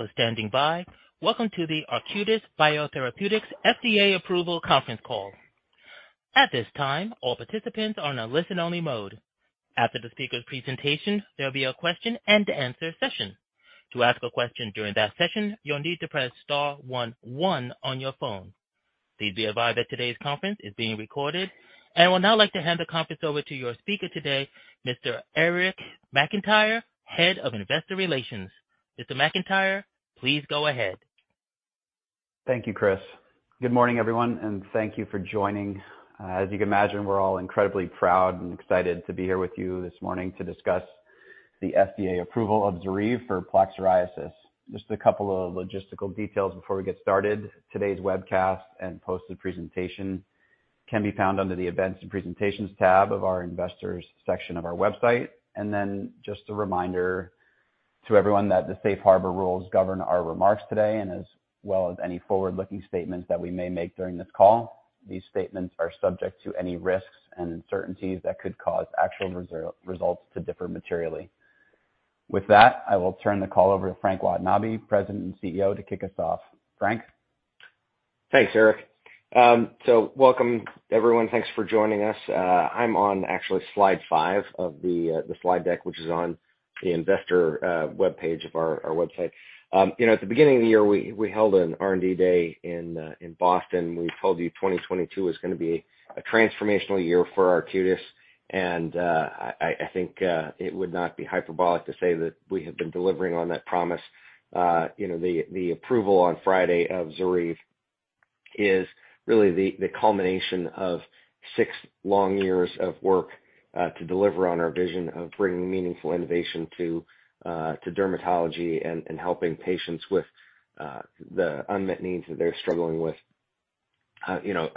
People standing by. Welcome to the Arcutis Biotherapeutics FDA approval conference call. At this time, all participants are on a listen-only mode. After the speaker's presentation, there'll be a question and answer session. To ask a question during that session, you'll need to press star one one on your phone. Please be advised that today's conference is being recorded. I would now like to hand the conference over to your speaker today, Mr Eric McIntyre, Head of Investor Relations. Mr. McIntyre, please go ahead. Thank you, Chris. Good morning, everyone, and thank you for joining. As you can imagine, we're all incredibly proud and excited to be here with you this morning to discuss the FDA approval of ZORYVE for plaque psoriasis. Just a couple of logistical details before we get started. Today's webcast and posted presentation can be found under the Events and Presentations tab of our Investors section of our website. Just a reminder to everyone that the safe harbor rules govern our remarks today, as well as any forward-looking statements that we may make during this call. These statements are subject to any risks and uncertainties that could cause actual results to differ materially. With that, I will turn the call over to Frank Watanabe, President and CEO, to kick us off. Frank? Thanks, Eric. Welcome, everyone. Thanks for joining us. I'm actually on slide five of the slide deck, which is on the investor webpage of our website. You know, at the beginning of the year, we held an R&D day in Boston. We told you 2022 is gonna be a transformational year for Arcutis, and I think it would not be hyperbolic to say that we have been delivering on that promise. You know, the approval on Friday of ZORYVE is really the culmination of six long years of work to deliver on our vision of bringing meaningful innovation to dermatology and helping patients with the unmet needs that they're struggling with. You know,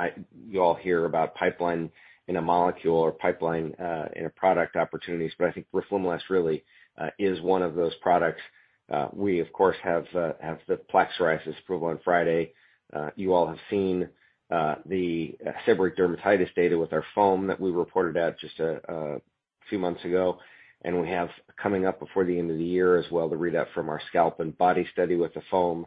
you all hear about pipeline in a molecule or pipeline in a product opportunities, but I think roflumilast really is one of those products. We of course have the plaque psoriasis approval on Friday. You all have seen the seborrheic dermatitis data with our foam that we reported at just a few months ago, and we have coming up before the end of the year as well, the readout from our scalp and body study with the foam.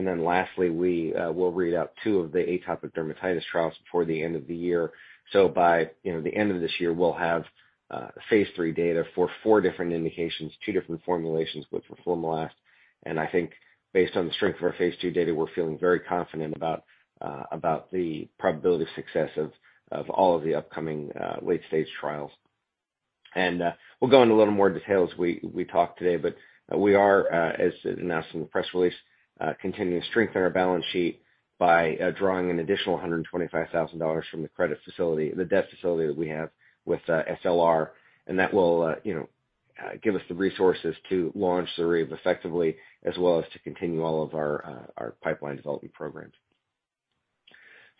Then lastly, we will read out two of the atopic dermatitis trials before the end of the year. By you know, the end of this year, we'll have phase 3 data for four different indications, two different formulations with roflumilast. I think based on the strength of our phase 2 data, we're feeling very confident about the probability of success of all of the upcoming late-stage trials. We'll go into a little more detail as we talk today, but we are, as announced in the press release, continuing to strengthen our balance sheet by drawing an additional $125,000 from the credit facility, the debt facility that we have with SLR. That will, you know, give us the resources to launch ZORYVE effectively as well as to continue all of our pipeline development programs.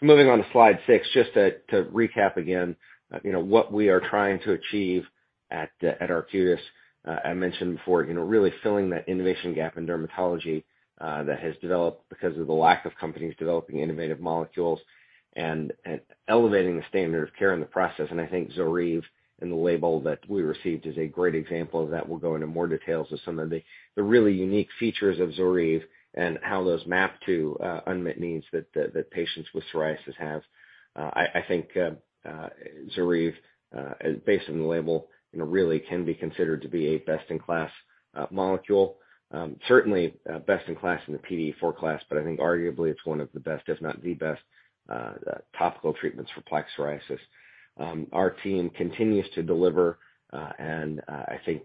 Moving on to slide six, just to recap again, you know, what we are trying to achieve at Arcutis. I mentioned before, you know, really filling that innovation gap in dermatology that has developed because of the lack of companies developing innovative molecules and elevating the standard of care in the process. I think ZORYVE and the label that we received is a great example of that. We'll go into more details of some of the really unique features of ZORYVE and how those map to unmet needs that the patients with psoriasis have. I think ZORYVE based on the label, you know, really can be considered to be a best-in-class molecule. Certainly best-in-class in the PDE4 class, but I think arguably it's one of the best, if not the best, topical treatments for plaque psoriasis. Our team continues to deliver, and, I think,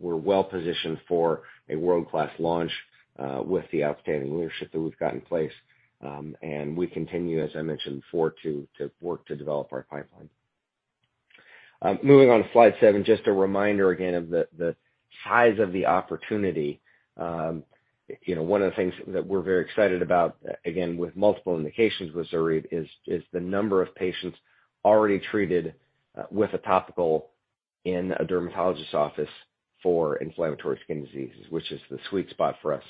we're well positioned for a world-class launch, with the outstanding leadership that we've got in place. We continue, as I mentioned before, to work to develop our pipeline. Moving on to slide seven, just a reminder again of the size of the opportunity. You know, one of the things that we're very excited about, again, with multiple indications with ZORYVE is the number of patients already treated, with a topical in a dermatologist office for inflammatory skin diseases, which is the sweet spot for us.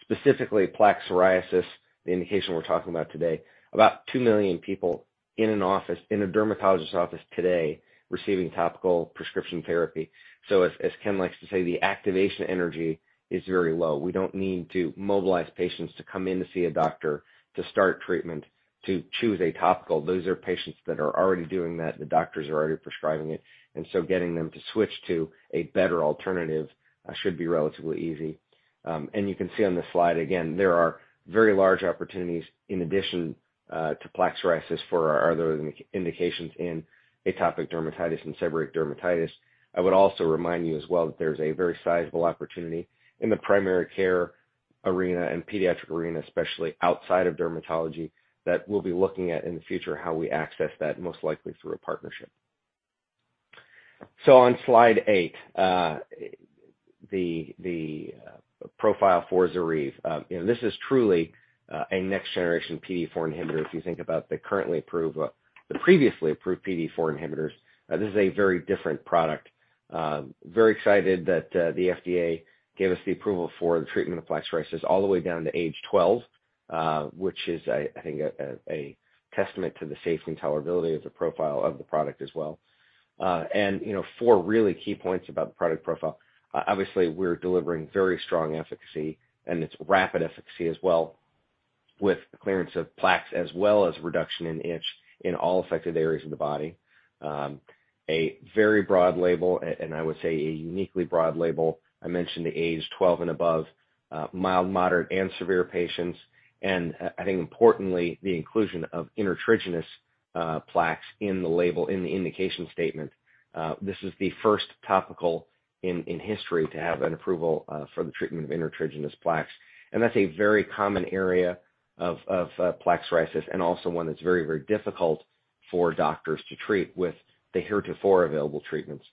Specifically plaque psoriasis, the indication we're talking about today, about two million people in a dermatologist office today receiving topical prescription therapy. As Ken likes to say, the activation energy is very low. We don't need to mobilize patients to come in to see a doctor to start treatment to choose a topical. Those are patients that are already doing that, the doctors are already prescribing it. Getting them to switch to a better alternative should be relatively easy. You can see on the slide again, there are very large opportunities in addition to plaque psoriasis for our other indications in atopic dermatitis and seborrheic dermatitis. I would also remind you as well that there's a very sizable opportunity in the primary care arena and pediatric arena, especially outside of dermatology, that we'll be looking at in the future how we access that, most likely through a partnership. On slide eight, the profile for ZORYVE. You know, this is truly a next-generation PDE4 inhibitor. If you think about the previously approved PDE4 inhibitors, this is a very different product. Very excited that the FDA gave us the approval for the treatment of plaque psoriasis all the way down to age 12, which is, I think, a testament to the safety and tolerability of the profile of the product as well. You know, 4 really key points about the product profile. Obviously, we're delivering very strong efficacy, and it's rapid efficacy as well. With clearance of plaques as well as reduction in itch in all affected areas of the body. A very broad label, and I would say a uniquely broad label. I mentioned the age 12 and above, mild, moderate, and severe patients. I think importantly, the inclusion of intertriginous plaques in the label, in the indication statement. This is the first topical in history to have an approval for the treatment of intertriginous plaques. That's a very common area of plaque psoriasis and also one that's very, very difficult for doctors to treat with the heretofore available treatments.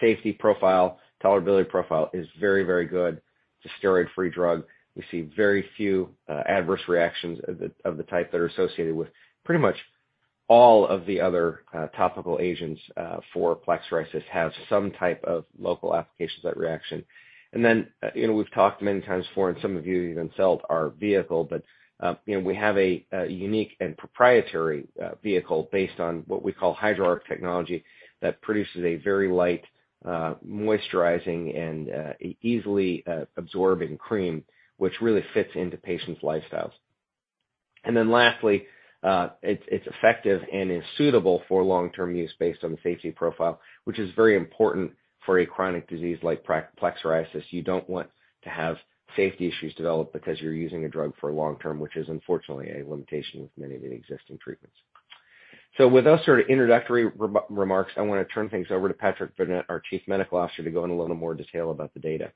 Safety profile, tolerability profile is very, very good. It's a steroid-free drug. We see very few adverse reactions of the type that are associated with pretty much all of the other topical agents for plaque psoriasis have some type of local application site reaction. You know, we've talked many times before, and some of you even felt our vehicle, but you know, we have a unique and proprietary vehicle based on what we call HydroARQ technology that produces a very light moisturizing and easily absorbing cream, which really fits into patients' lifestyles. Lastly, it's effective and is suitable for long-term use based on the safety profile, which is very important for a chronic disease like plaque psoriasis. You don't want to have safety issues develop because you're using a drug for long term, which is unfortunately a limitation with many of the existing treatments. With those sort of introductory remarks, I wanna turn things over to Patrick Burnett, our Chief Medical Officer, to go in a little more detail about the data.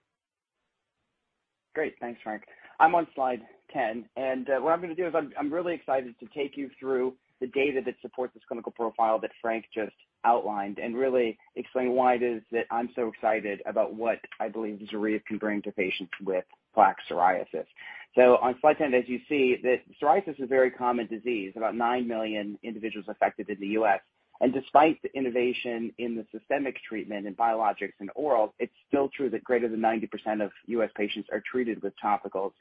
Great. Thanks, Frank. I'm on slide 10, and what I'm gonna do is I'm really excited to take you through the data that supports this clinical profile that Frank just outlined and really explain why it is that I'm so excited about what I believe ZORYVE can bring to patients with plaque psoriasis. On slide 10, as you see, that psoriasis is a very common disease, about nine million individuals affected in the U.S. Despite the innovation in the systemic treatment in biologics and orals, it's still true that greater than 90% of U.S. patients are treated with topicals.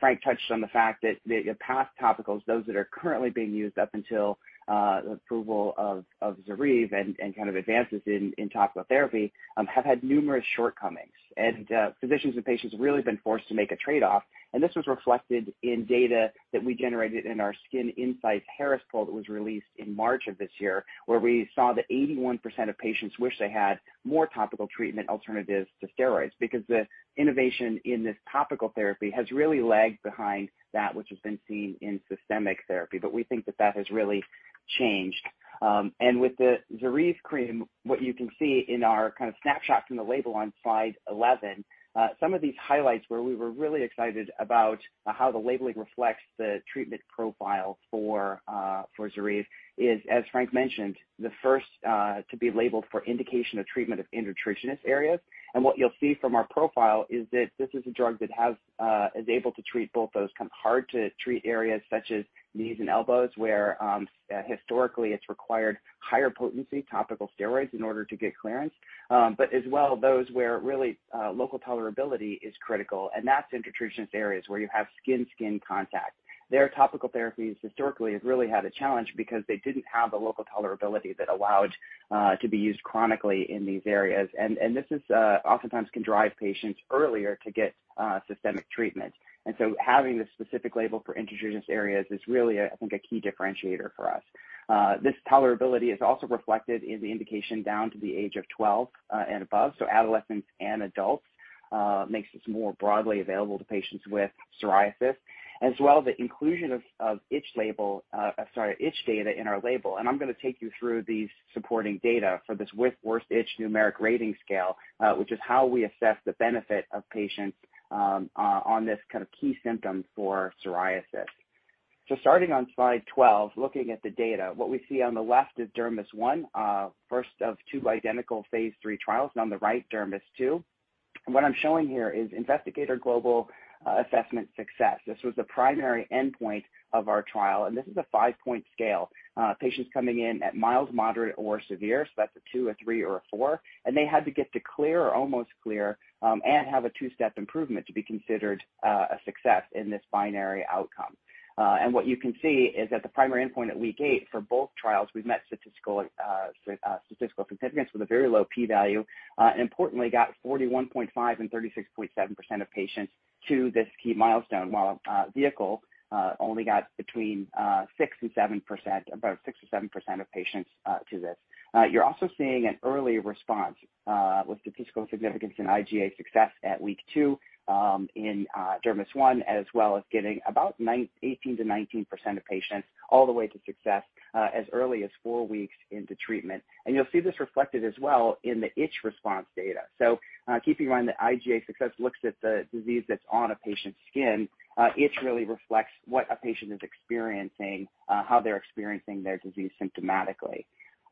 Frank touched on the fact that your past topicals, those that are currently being used up until the approval of ZORYVE and kind of advances in topical therapy, have had numerous shortcomings. Physicians and patients have really been forced to make a trade-off, and this was reflected in data that we generated in our Skin Insight Harris Poll that was released in March of this year, where we saw that 81% of patients wish they had more topical treatment alternatives to steroids because the innovation in this topical therapy has really lagged behind that which has been seen in systemic therapy. We think that has really changed. With the ZORYVE cream, what you can see in our kind of snapshot from the label on slide 11, some of these highlights where we were really excited about, how the labeling reflects the treatment profile for ZORYVE is, as Frank mentioned, the first to be labeled for indication of treatment of intertriginous areas. What you'll see from our profile is that this is a drug that is able to treat both those kind of hard-to-treat areas such as knees and elbows, where historically it's required higher potency topical steroids in order to get clearance. But as well, those where really local tolerability is critical, and that's intertriginous areas where you have skin-to-skin contact. Their topical therapies historically have really had a challenge because they didn't have the local tolerability that allowed to be used chronically in these areas. This is oftentimes can drive patients earlier to get systemic treatment. Having this specific label for intertriginous areas is really, I think a key differentiator for us. This tolerability is also reflected in the indication down to the age of 12 and above, so adolescents and adults, makes this more broadly available to patients with psoriasis, as well as the inclusion of itch data in our label. I'm gonna take you through these supporting data for this with Worst Itch Numeric Rating Scale, which is how we assess the benefit of patients on this kind of key symptom for psoriasis. Starting on slide 12, looking at the data, what we see on the left is DERMIS-1, first of two identical phase 3 trials, and on the right, DERMIS-2. What I'm showing here is investigator global assessment success. This was the primary endpoint of our trial, and this is a five-point scale. Patients coming in at mild, moderate, or severe, so that's a 2, a 3, or a 4. They had to get to clear or almost clear, and have a two-step improvement to be considered a success in this binary outcome. What you can see is that the primary endpoint at week eight for both trials, we've met statistical significance with a very low P value, and importantly, got 41.5% and 36.7% of patients to this key milestone, while vehicle only got between 6% and 7%, about 6%-7% of patients to this. You're also seeing an early response with statistical significance in IGA success at week two in DERMIS-1, as well as getting about 18%-19% of patients all the way to success as early as four weeks into treatment. You'll see this reflected as well in the itch response data. Keeping in mind that IGA success looks at the disease that's on a patient's skin, itch really reflects what a patient is experiencing, how they're experiencing their disease symptomatically.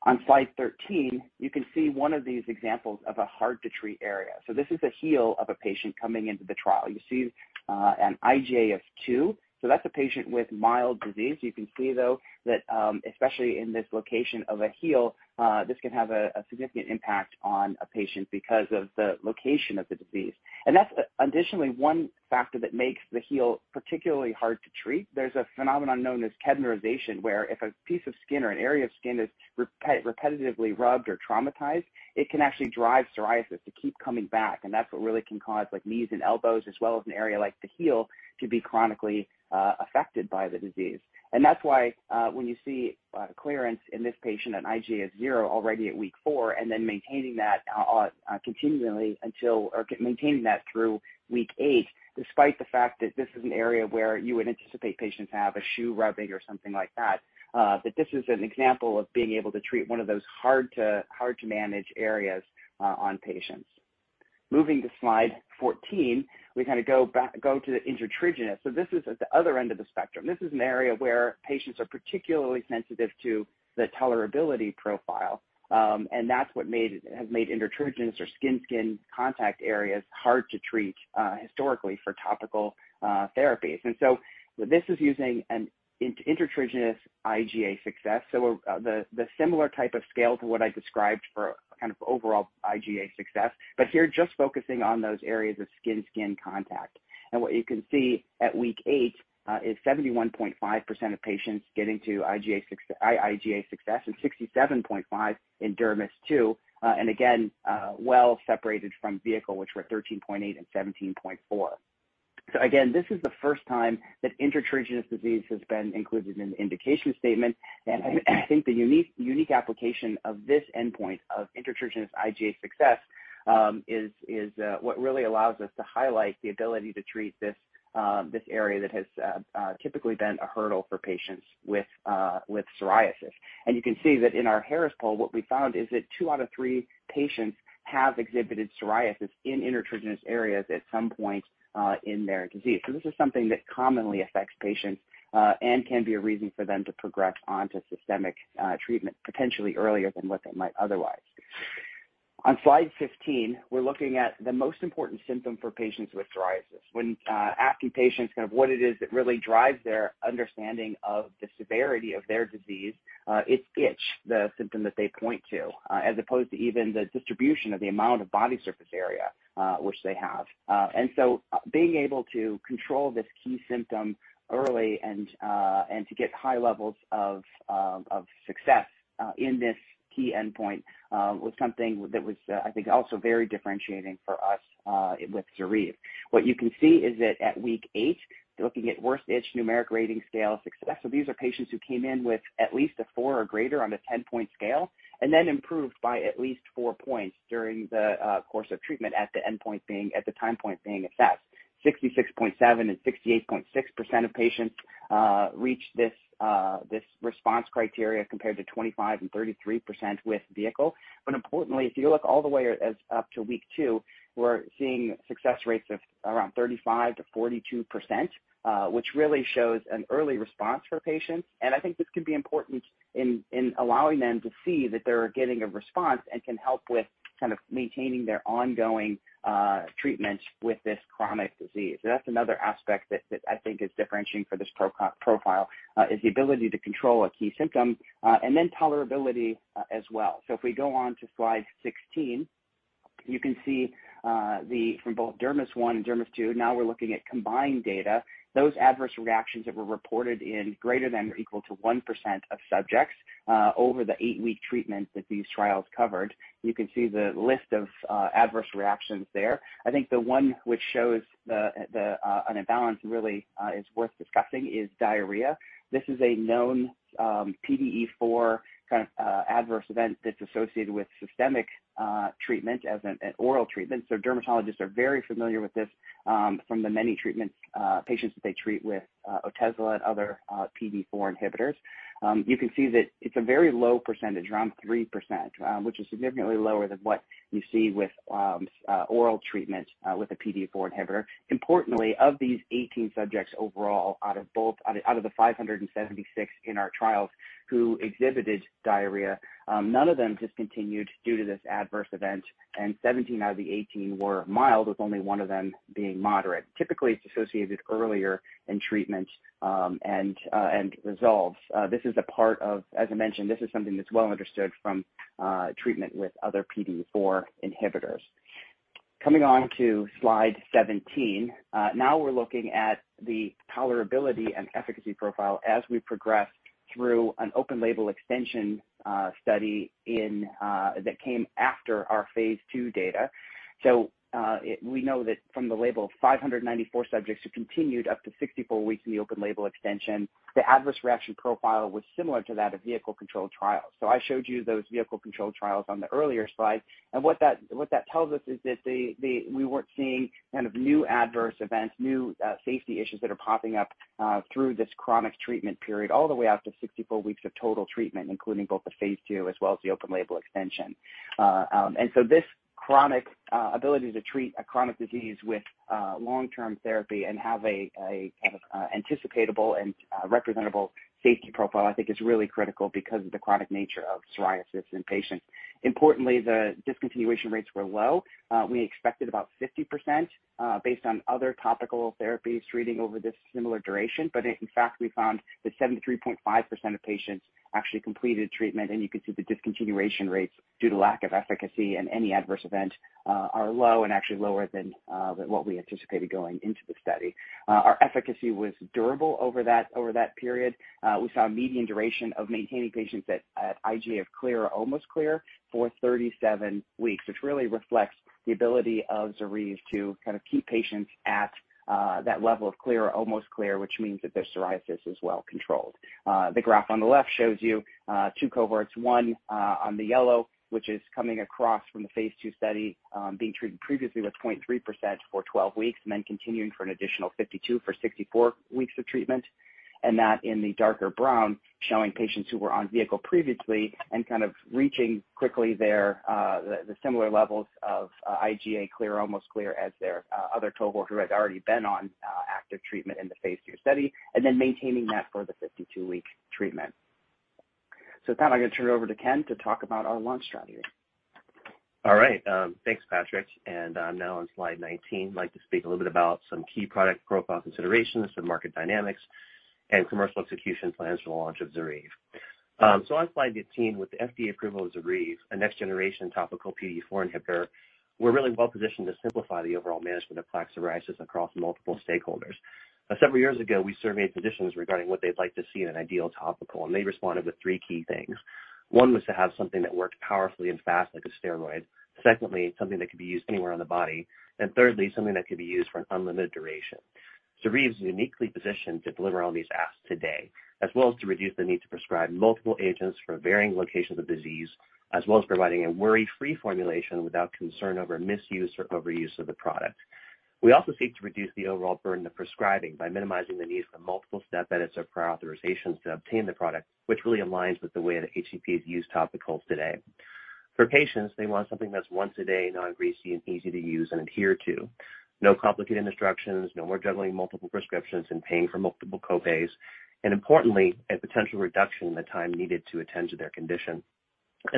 On slide 13, you can see one of these examples of a hard-to-treat area. This is a heel of a patient coming into the trial. You see an IGA of two. That's a patient with mild disease. You can see, though, that, especially in this location of a heel, this can have a significant impact on a patient because of the location of the disease. That's additionally one factor that makes the heel particularly hard to treat. There's a phenomenon known as Koebnerization, where if a piece of skin or an area of skin is repetitively rubbed or traumatized, it can actually drive psoriasis to keep coming back, and that's what really can cause, like, knees and elbows as well as an area like the heel to be chronically affected by the disease. That's why, when you see clearance in this patient, an IGA of zero already at week four and then maintaining that continually until or maintaining that through week eight, despite the fact that this is an area where you would anticipate patients have a shoe rubbing or something like that this is an example of being able to treat one of those hard-to-manage areas on patients. Moving to slide 14, we kind of go to the intertriginous. So this is at the other end of the spectrum. This is an area where patients are particularly sensitive to the tolerability profile, and that's what has made intertriginous or skin-skin contact areas hard to treat historically for topical therapies. This is using an intertriginous IGA success. The similar type of scale to what I described for kind of overall IGA success, but here just focusing on those areas of skin-skin contact. What you can see at week 8 is 71.5% of patients getting to IGA success and 67.5% in DERMIS-2, and again, well separated from vehicle, which were 13.8% and 17.4%. This is the first time that intertriginous disease has been included in an indication statement. I think the unique application of this endpoint of intertriginous IGA success is what really allows us to highlight the ability to treat this area that has typically been a hurdle for patients with psoriasis. You can see that in our Harris Poll, what we found is that two out of three patients have exhibited psoriasis in intertriginous areas at some point in their disease. This is something that commonly affects patients and can be a reason for them to progress onto systemic treatment potentially earlier than what they might otherwise. On slide 15, we're looking at the most important symptom for patients with psoriasis. When asking patients kind of what it is that really drives their understanding of the severity of their disease, it's itch, the symptom that they point to as opposed to even the distribution of the amount of body surface area which they have. Being able to control this key symptom early and to get high levels of success in this key endpoint was something that was, I think, also very differentiating for us with ZORYVE. What you can see is that at week eight, looking at Worst Itch Numeric Rating Scale success. These are patients who came in with at least a four or greater on a 10-point scale and then improved by at least four points during the course of treatment at the endpoint being, at the time point being assessed. 66.7% and 68.6% of patients reached this response criteria compared to 25% and 33% with vehicle. Importantly, if you look all the way up to week two, we're seeing success rates of around 35%-42%, which really shows an early response for patients. I think this could be important in allowing them to see that they're getting a response and can help with kind of maintaining their ongoing treatments with this chronic disease. That's another aspect that I think is differentiating for this product profile, is the ability to control a key symptom, and then tolerability, as well. If we go on to slide 16, you can see the data from both DERMIS-1 and DERMIS-2, now we're looking at combined data. Those adverse reactions that were reported in greater than or equal to 1% of subjects, over the eight-week treatment that these trials covered. You can see the list of adverse reactions there. I think the one which shows an imbalance really is worth discussing is diarrhea. This is a known PDE4 kind of adverse event that's associated with systemic treatment as an oral treatment. Dermatologists are very familiar with this from the many treatments patients that they treat with Otezla and other PDE4 inhibitors. You can see that it's a very low percentage, around 3%, which is significantly lower than what you see with oral treatments with a PDE4 inhibitor. Importantly, of these 18 subjects overall, out of the 576 in our trials who exhibited diarrhea, none of them discontinued due to this adverse event, and 17 out of the 18 were mild, with only one of them being moderate. Typically, it's associated earlier in treatment, and resolves. This is a part of, as I mentioned, this is something that's well understood from treatment with other PDE4 inhibitors. Coming on to slide 17. Now we're looking at the tolerability and efficacy profile as we progress through an open label extension study that came after our phase 2 data. We know that from the label of 594 subjects who continued up to 64 weeks in the open label extension, the adverse reaction profile was similar to that of vehicle control trials. I showed you those vehicle control trials on the earlier slide. What that tells us is that we weren't seeing kind of new adverse events, new safety issues that are popping up through this chronic treatment period all the way out to 64 weeks of total treatment, including both the phase 2 as well as the open label extension. This chronic ability to treat a chronic disease with long-term therapy and have a kind of anticipatable and representable safety profile, I think is really critical because of the chronic nature of psoriasis in patients. Importantly, the discontinuation rates were low. We expected about 50%, based on other topical therapies treating over this similar duration. In fact, we found that 73.5% of patients actually completed treatment. You can see the discontinuation rates due to lack of efficacy and any adverse event are low and actually lower than what we anticipated going into the study. Our efficacy was durable over that period. We saw a median duration of maintaining patients at IGA of clear or almost clear for 37 weeks, which really reflects the ability of ZORYVE to kind of keep patients at that level of clear or almost clear, which means that their psoriasis is well controlled. The graph on the left shows you two cohorts, one on the yellow, which is coming across from the phase 2 study, being treated previously with 0.3% for 12 weeks and then continuing for an additional 52 for 64 weeks of treatment. That in the darker brown showing patients who were on vehicle previously and kind of reaching quickly their the similar levels of IGA clear or almost clear as their other cohort who had already been on active treatment in the phase 2 study and then maintaining that for the 52-week treatment. With that, I'm gonna turn it over to Ken to talk about our launch strategy. All right. Thanks, Patrick. I'm now on slide 19. I'd like to speak a little bit about some key product profile considerations and market dynamics and commercial execution plans for the launch of ZORYVE. On slide 15, with the FDA approval of ZORYVE, a next-generation topical PDE4 inhibitor, we're really well-positioned to simplify the overall management of plaque psoriasis across multiple stakeholders. Several years ago, we surveyed physicians regarding what they'd like to see in an ideal topical, and they responded with three key things. One was to have something that worked powerfully and fast like a steroid. Secondly, something that could be used anywhere on the body. Thirdly, something that could be used for an unlimited duration. ZORYVE is uniquely positioned to deliver on these asks today, as well as to reduce the need to prescribe multiple agents for varying locations of disease, as well as providing a worry-free formulation without concern over misuse or overuse of the product. We also seek to reduce the overall burden of prescribing by minimizing the need for multiple step edits or prior authorizations to obtain the product, which really aligns with the way that HCPs use topicals today. For patients, they want something that's once a day, non-greasy, and easy to use and adhere to. No complicated instructions, no more juggling multiple prescriptions and paying for multiple co-pays, and importantly, a potential reduction in the time needed to attend to their condition.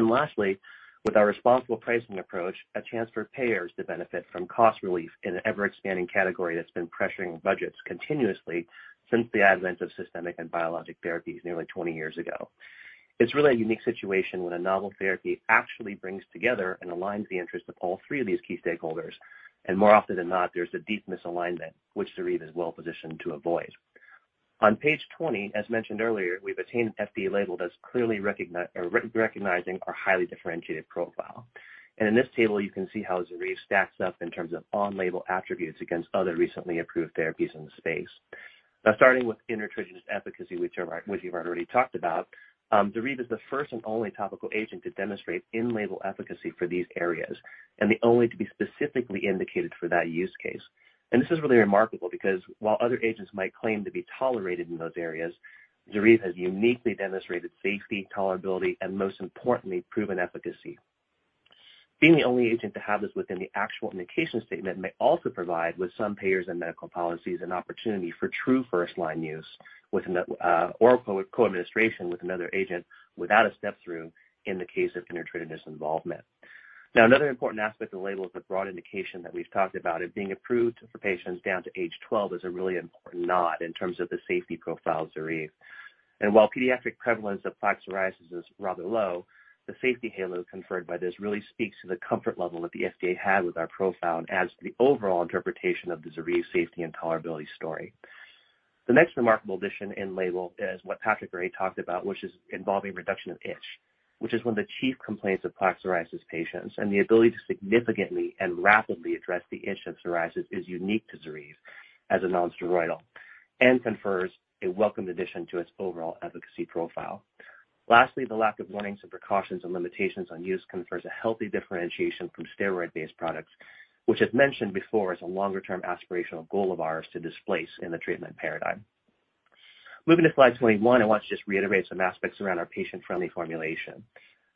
Lastly, with our responsible pricing approach, a chance for payers to benefit from cost relief in an ever-expanding category that's been pressuring budgets continuously since the advent of systemic and biologic therapies nearly 20 years ago. It's really a unique situation when a novel therapy actually brings together and aligns the interest of all three of these key stakeholders. More often than not, there's a deep misalignment, which ZORYVE is well positioned to avoid. On page 20, as mentioned earlier, we've obtained an FDA label that's clearly recognizing our highly differentiated profile. In this table, you can see how ZORYVE stacks up in terms of on-label attributes against other recently approved therapies in the space. Now starting with intertriginous efficacy, which we've already talked about, ZORYVE is the first and only topical agent to demonstrate in-label efficacy for these areas and the only to be specifically indicated for that use case. This is really remarkable because while other agents might claim to be tolerated in those areas, ZORYVE has uniquely demonstrated safety, tolerability, and most importantly, proven efficacy. Being the only agent to have this within the actual indication statement may also provide with some payers and medical policies an opportunity for true first-line use with or co-administration with another agent without a step-through in the case of intertriginous involvement. Now, another important aspect of the label is the broad indication that we've talked about, it being approved for patients down to age 12 is a really important nod in terms of the safety profile of ZORYVE. While pediatric prevalence of plaque psoriasis is rather low, the safety halo conferred by this really speaks to the comfort level that the FDA had with our profile and adds to the overall interpretation of the ZORYVE safety and tolerability story. The next remarkable addition in label is what Patrick already talked about, which is involving reduction of itch, which is one of the chief complaints of plaque psoriasis patients, and the ability to significantly and rapidly address the itch of psoriasis is unique to ZORYVE as a non-steroidal and confers a welcomed addition to its overall efficacy profile. Lastly, the lack of warnings and precautions and limitations on use confers a healthy differentiation from steroid-based products, which as mentioned before, is a longer-term aspirational goal of ours to displace in the treatment paradigm. Moving to slide 21, I want to just reiterate some aspects around our patient-friendly formulation.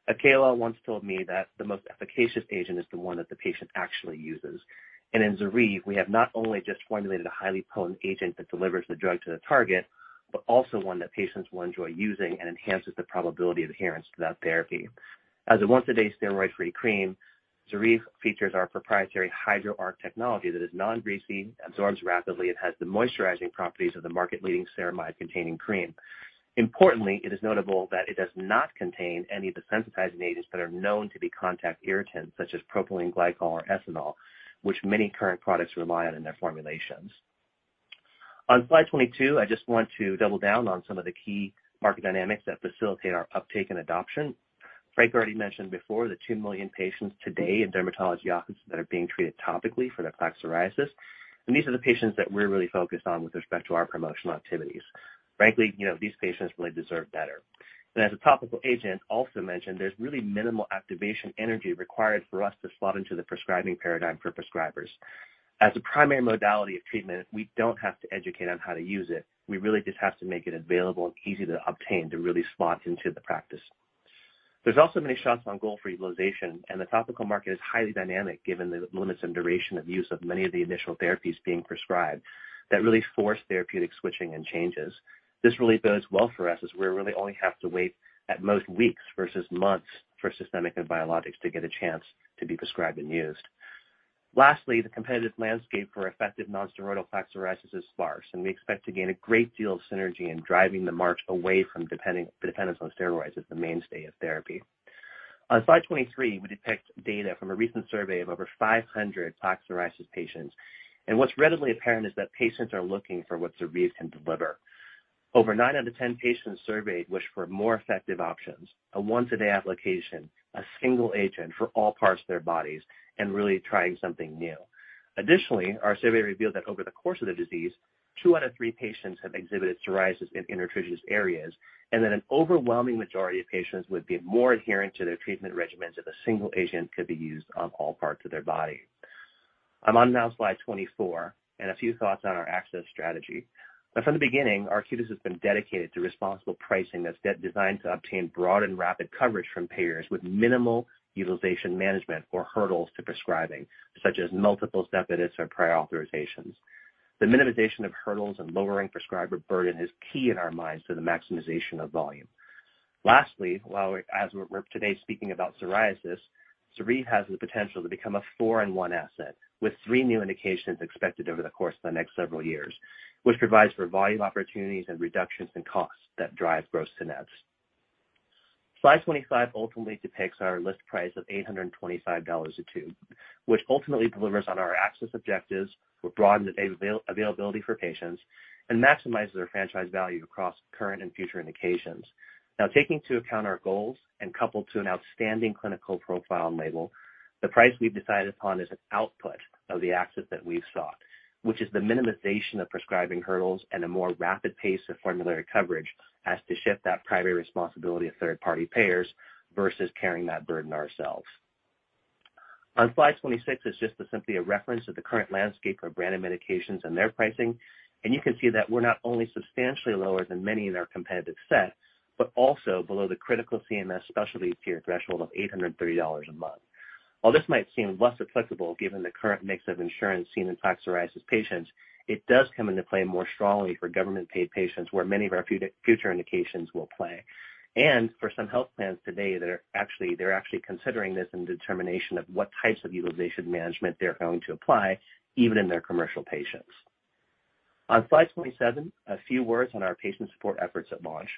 Akela once told me that the most efficacious agent is the one that the patient actually uses. In ZORYVE, we have not only just formulated a highly potent agent that delivers the drug to the target, but also one that patients will enjoy using and enhances the probability of adherence to that therapy. As a once-a-day steroid-free cream, ZORYVE features our proprietary HydroARQ technology that is non-greasy, absorbs rapidly, and has the moisturizing properties of the market-leading ceramide-containing cream. Importantly, it is notable that it does not contain any desensitizing agents that are known to be contact irritants, such as propylene glycol or ethanol, which many current products rely on in their formulations. On slide 22, I just want to double down on some of the key market dynamics that facilitate our uptake and adoption. Frank already mentioned before the two million patients today in dermatology offices that are being treated topically for their plaque psoriasis, and these are the patients that we're really focused on with respect to our promotional activities. Frankly, you know, these patients really deserve better. As a topical agent, also mentioned, there's really minimal activation energy required for us to slot into the prescribing paradigm for prescribers. As a primary modality of treatment, we don't have to educate on how to use it. We really just have to make it available and easy to obtain to really slot into the practice. There's also many shots on goal for utilization, and the topical market is highly dynamic given the limits and duration of use of many of the initial therapies being prescribed that really force therapeutic switching and changes. This really bodes well for us as we really only have to wait at most weeks versus months for systemic and biologics to get a chance to be prescribed and used. Lastly, the competitive landscape for effective non-steroidal plaque psoriasis is sparse, and we expect to gain a great deal of synergy in driving the march away from dependence on steroids as the mainstay of therapy. On slide 23, we depict data from a recent survey of over 500 plaque psoriasis patients. What's readily apparent is that patients are looking for what ZORYVE can deliver. Over nine out of 10 patients surveyed wish for more effective options, a once-a-day application, a single agent for all parts of their bodies, and really trying something new. Additionally, our survey revealed that over the course of the disease, two out of three patients have exhibited psoriasis in intertriginous areas, and that an overwhelming majority of patients would be more adherent to their treatment regimens if a single agent could be used on all parts of their body. I'm now on slide 24, and a few thoughts on our access strategy. From the beginning, Arcutis has been dedicated to responsible pricing that's designed to obtain broad and rapid coverage from payers with minimal utilization management or hurdles to prescribing, such as multiple step edits or prior authorizations. The minimization of hurdles and lowering prescriber burden is key in our minds to the maximization of volume. Lastly, as we're today speaking about psoriasis, ZORYVE has the potential to become a four-in-one asset, with three new indications expected over the course of the next several years, which provides for volume opportunities and reductions in costs that drive gross to net. Slide 25 ultimately depicts our list price of $825 a tube, which ultimately delivers on our access objectives, will broaden the availability for patients, and maximizes our franchise value across current and future indications. Now, taking into account our goals and coupled to an outstanding clinical profile and label, the price we've decided upon is an output of the access that we've sought, which is the minimization of prescribing hurdles and a more rapid pace of formulary coverage as to shift that primary responsibility of third-party payers versus carrying that burden ourselves. On slide 26 is just simply a reference of the current landscape of branded medications and their pricing, and you can see that we're not only substantially lower than many in our competitive set, but also below the critical CMS specialty tier threshold of $830 a month. While this might seem less applicable given the current mix of insurance seen in plaque psoriasis patients, it does come into play more strongly for government-paid patients, where many of our future indications will play. For some health plans today, they're actually considering this in determination of what types of utilization management they're going to apply even in their commercial patients. On slide 27, a few words on our patient support efforts at launch.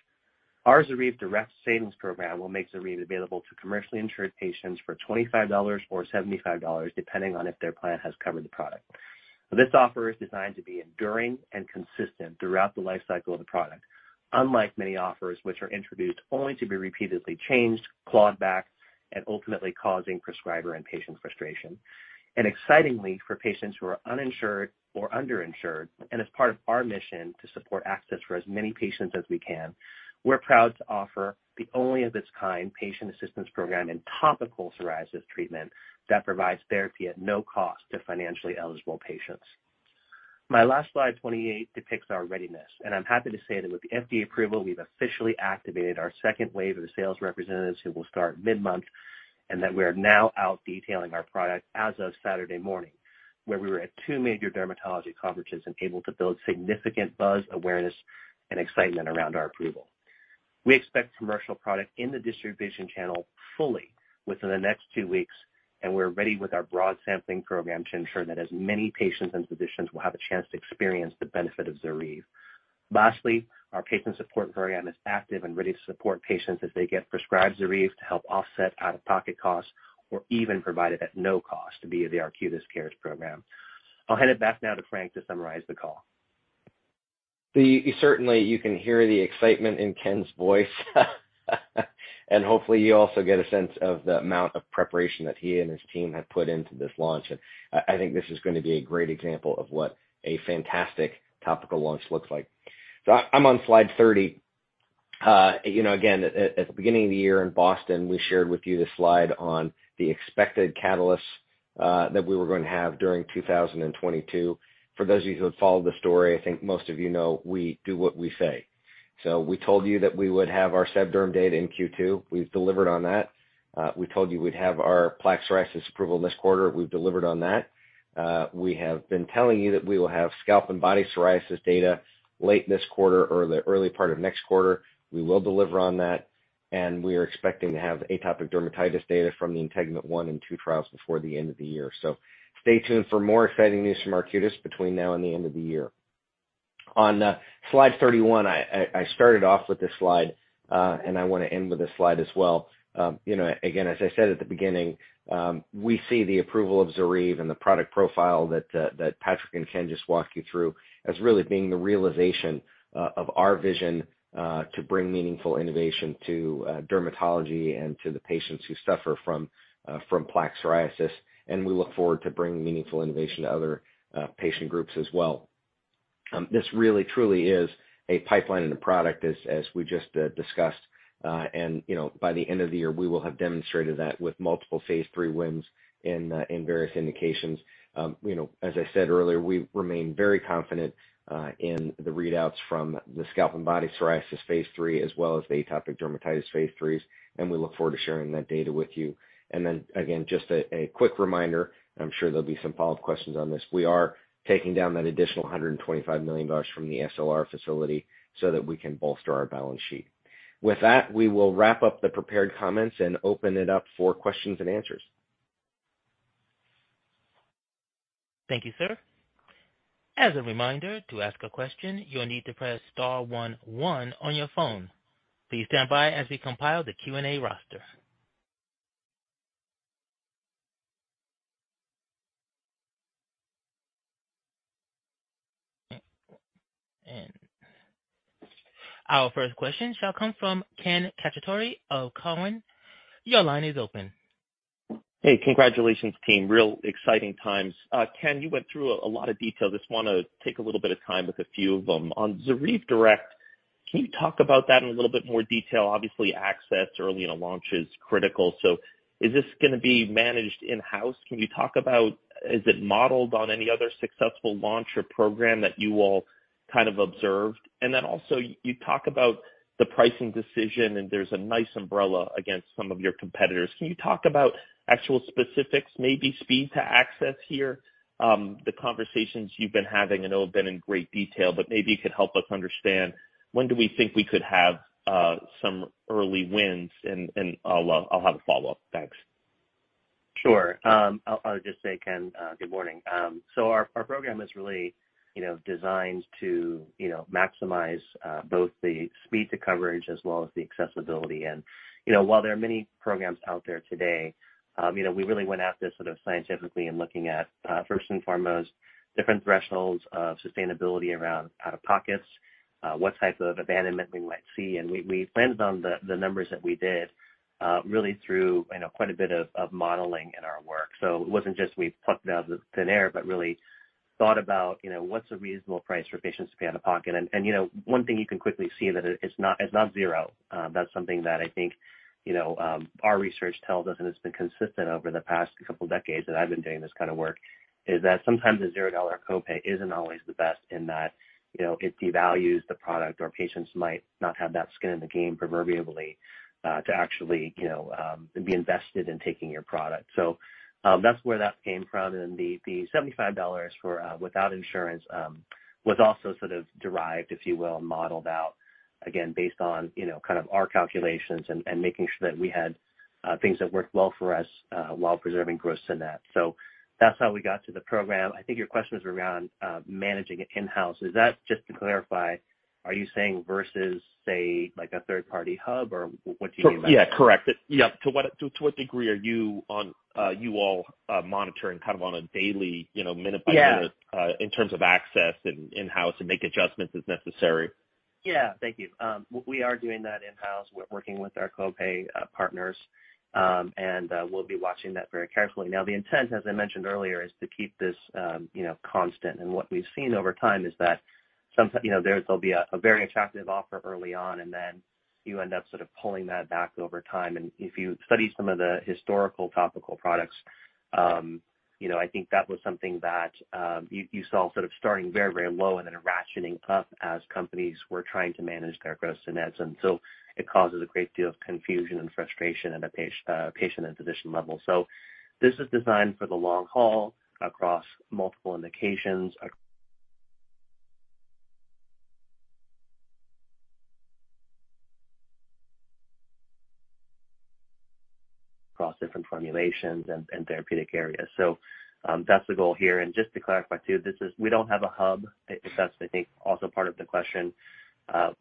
Our ZORYVE Direct Savings Program will make ZORYVE available to commercially insured patients for $25 or $75, depending on if their plan has covered the product. This offer is designed to be enduring and consistent throughout the life cycle of the product, unlike many offers which are introduced only to be repeatedly changed, clawed back, and ultimately causing prescriber and patient frustration. Excitingly, for patients who are uninsured or underinsured, and as part of our mission to support access for as many patients as we can, we're proud to offer the only of its kind patient assistance program in topical psoriasis treatment that provides therapy at no cost to financially eligible patients. My last slide, 28, depicts our readiness. I'm happy to say that with the FDA approval, we've officially activated our second wave of sales representatives who will start mid-month, and that we are now out detailing our product as of Saturday morning, where we were at two major dermatology conferences and able to build significant buzz, awareness, and excitement around our approval. We expect commercial product in the distribution channel fully within the next two weeks, and we're ready with our broad sampling program to ensure that as many patients and physicians will have a chance to experience the benefit of ZORYVE. Lastly, our patient support program is active and ready to support patients as they get prescribed ZORYVE to help offset out-of-pocket costs or even provide it at no cost via the Arcutis Cares program. I'll hand it back now to Frank to summarize the call. Certainly, you can hear the excitement in Ken's voice. Hopefully, you also get a sense of the amount of preparation that he and his team have put into this launch. I think this is gonna be a great example of what a fantastic topical launch looks like. I'm on slide 30. You know, again, at the beginning of the year in Boston, we shared with you this slide on the expected catalysts that we were going to have during 2022. For those of you who have followed the story, I think most of you know we do what we say. We told you that we would have our sebderm data in Q2. We've delivered on that. We told you we'd have our plaque psoriasis approval this quarter. We've delivered on that. We have been telling you that we will have scalp and body psoriasis data late this quarter or the early part of next quarter. We will deliver on that, and we are expecting to have atopic dermatitis data from the INTEGUMENT 1 and 2 trials before the end of the year. Stay tuned for more exciting news from Arcutis between now and the end of the year. On slide 31, I started off with this slide, and I wanna end with this slide as well. You know, again, as I said at the beginning, we see the approval of ZORYVE and the product profile that Patrick and Ken just walked you through as really being the realization of our vision to bring meaningful innovation to dermatology and to the patients who suffer from plaque psoriasis. We look forward to bringing meaningful innovation to other patient groups as well. This really truly is a pipeline and a product as we just discussed. You know, by the end of the year, we will have demonstrated that with multiple phase 3 wins in various indications. You know, as I said earlier, we remain very confident in the readouts from the scalp and body psoriasis phase 3, as well as the atopic dermatitis phase3s, and we look forward to sharing that data with you. Then again, just a quick reminder, I'm sure there'll be some follow-up questions on this. We are taking down that additional $125 million from the SLR facility so that we can bolster our balance sheet. With that, we will wrap up the prepared comments and open it up for questions and answers. Thank you, sir. As a reminder, to ask a question, you'll need to press star one one on your phone. Please stand by as we compile the Q and A roster. Our first question shall come from Ken Cacciatore of Cowen. Your line is open. Hey, congratulations, team. Real exciting times. Ken, you went through a lot of detail. Just wanna take a little bit of time with a few of them. On ZORYVE Direct, can you talk about that in a little bit more detail? Obviously, access early in a launch is critical. Is this gonna be managed in-house? Can you talk about, is it modeled on any other successful launch or program that you all kind of observed. You talk about the pricing decision, and there's a nice umbrella against some of your competitors. Can you talk about actual specifics, maybe speed to access here, the conversations you've been having, I know have been in great detail, but maybe you could help us understand when do we think we could have some early wins? I'll have a follow-up. Thanks. Sure. I'll just say, Ken, good morning. Our program is really, you know, designed to, you know, maximize both the speed to coverage as well as the accessibility. While there are many programs out there today, you know, we really went at this sort of scientifically in looking at first and foremost different thresholds of sustainability around out-of-pockets, what type of abandonment we might see. We planned on the numbers that we did really through, you know, quite a bit of modeling in our work. It wasn't just we plucked it out of thin air, but really thought about, you know, what's a reasonable price for patients to pay out of pocket. One thing you can quickly see that it's not zero. That's something that I think, you know, our research tells us, and it's been consistent over the past couple decades that I've been doing this kind of work, is that sometimes a $0 copay isn't always the best in that, you know, it devalues the product or patients might not have that skin in the game proverbially to actually, you know, be invested in taking your product. That's where that came from. The $75 for without insurance was also sort of derived, if you will, modeled out again, based on, you know, kind of our calculations and making sure that we had things that worked well for us while preserving gross-to-net. That's how we got to the program. I think your question was around managing it in-house. Is that just to clarify, are you saying versus say like a third party hub? Or what do you mean by that? Yeah, correct. Yeah. To what degree are you all monitoring kind of on a daily, you know, minute by minute? Yeah. In terms of access in-house and make adjustments as necessary? Yeah. Thank you. We are doing that in-house. We're working with our copay partners. We'll be watching that very carefully. Now, the intent, as I mentioned earlier, is to keep this, you know, constant. What we've seen over time is that sometimes, you know, there's a very attractive offer early on, and then you end up sort of pulling that back over time. If you study some of the historical topical products, you know, I think that was something that you saw sort of starting very, very low and then ratcheting up as companies were trying to manage their gross-to-nets. It causes a great deal of confusion and frustration at a patient and physician level. This is designed for the long haul across multiple indications. Across different formulations and therapeutic areas. That's the goal here. Just to clarify too, we don't have a hub, if that's, I think, also part of the question.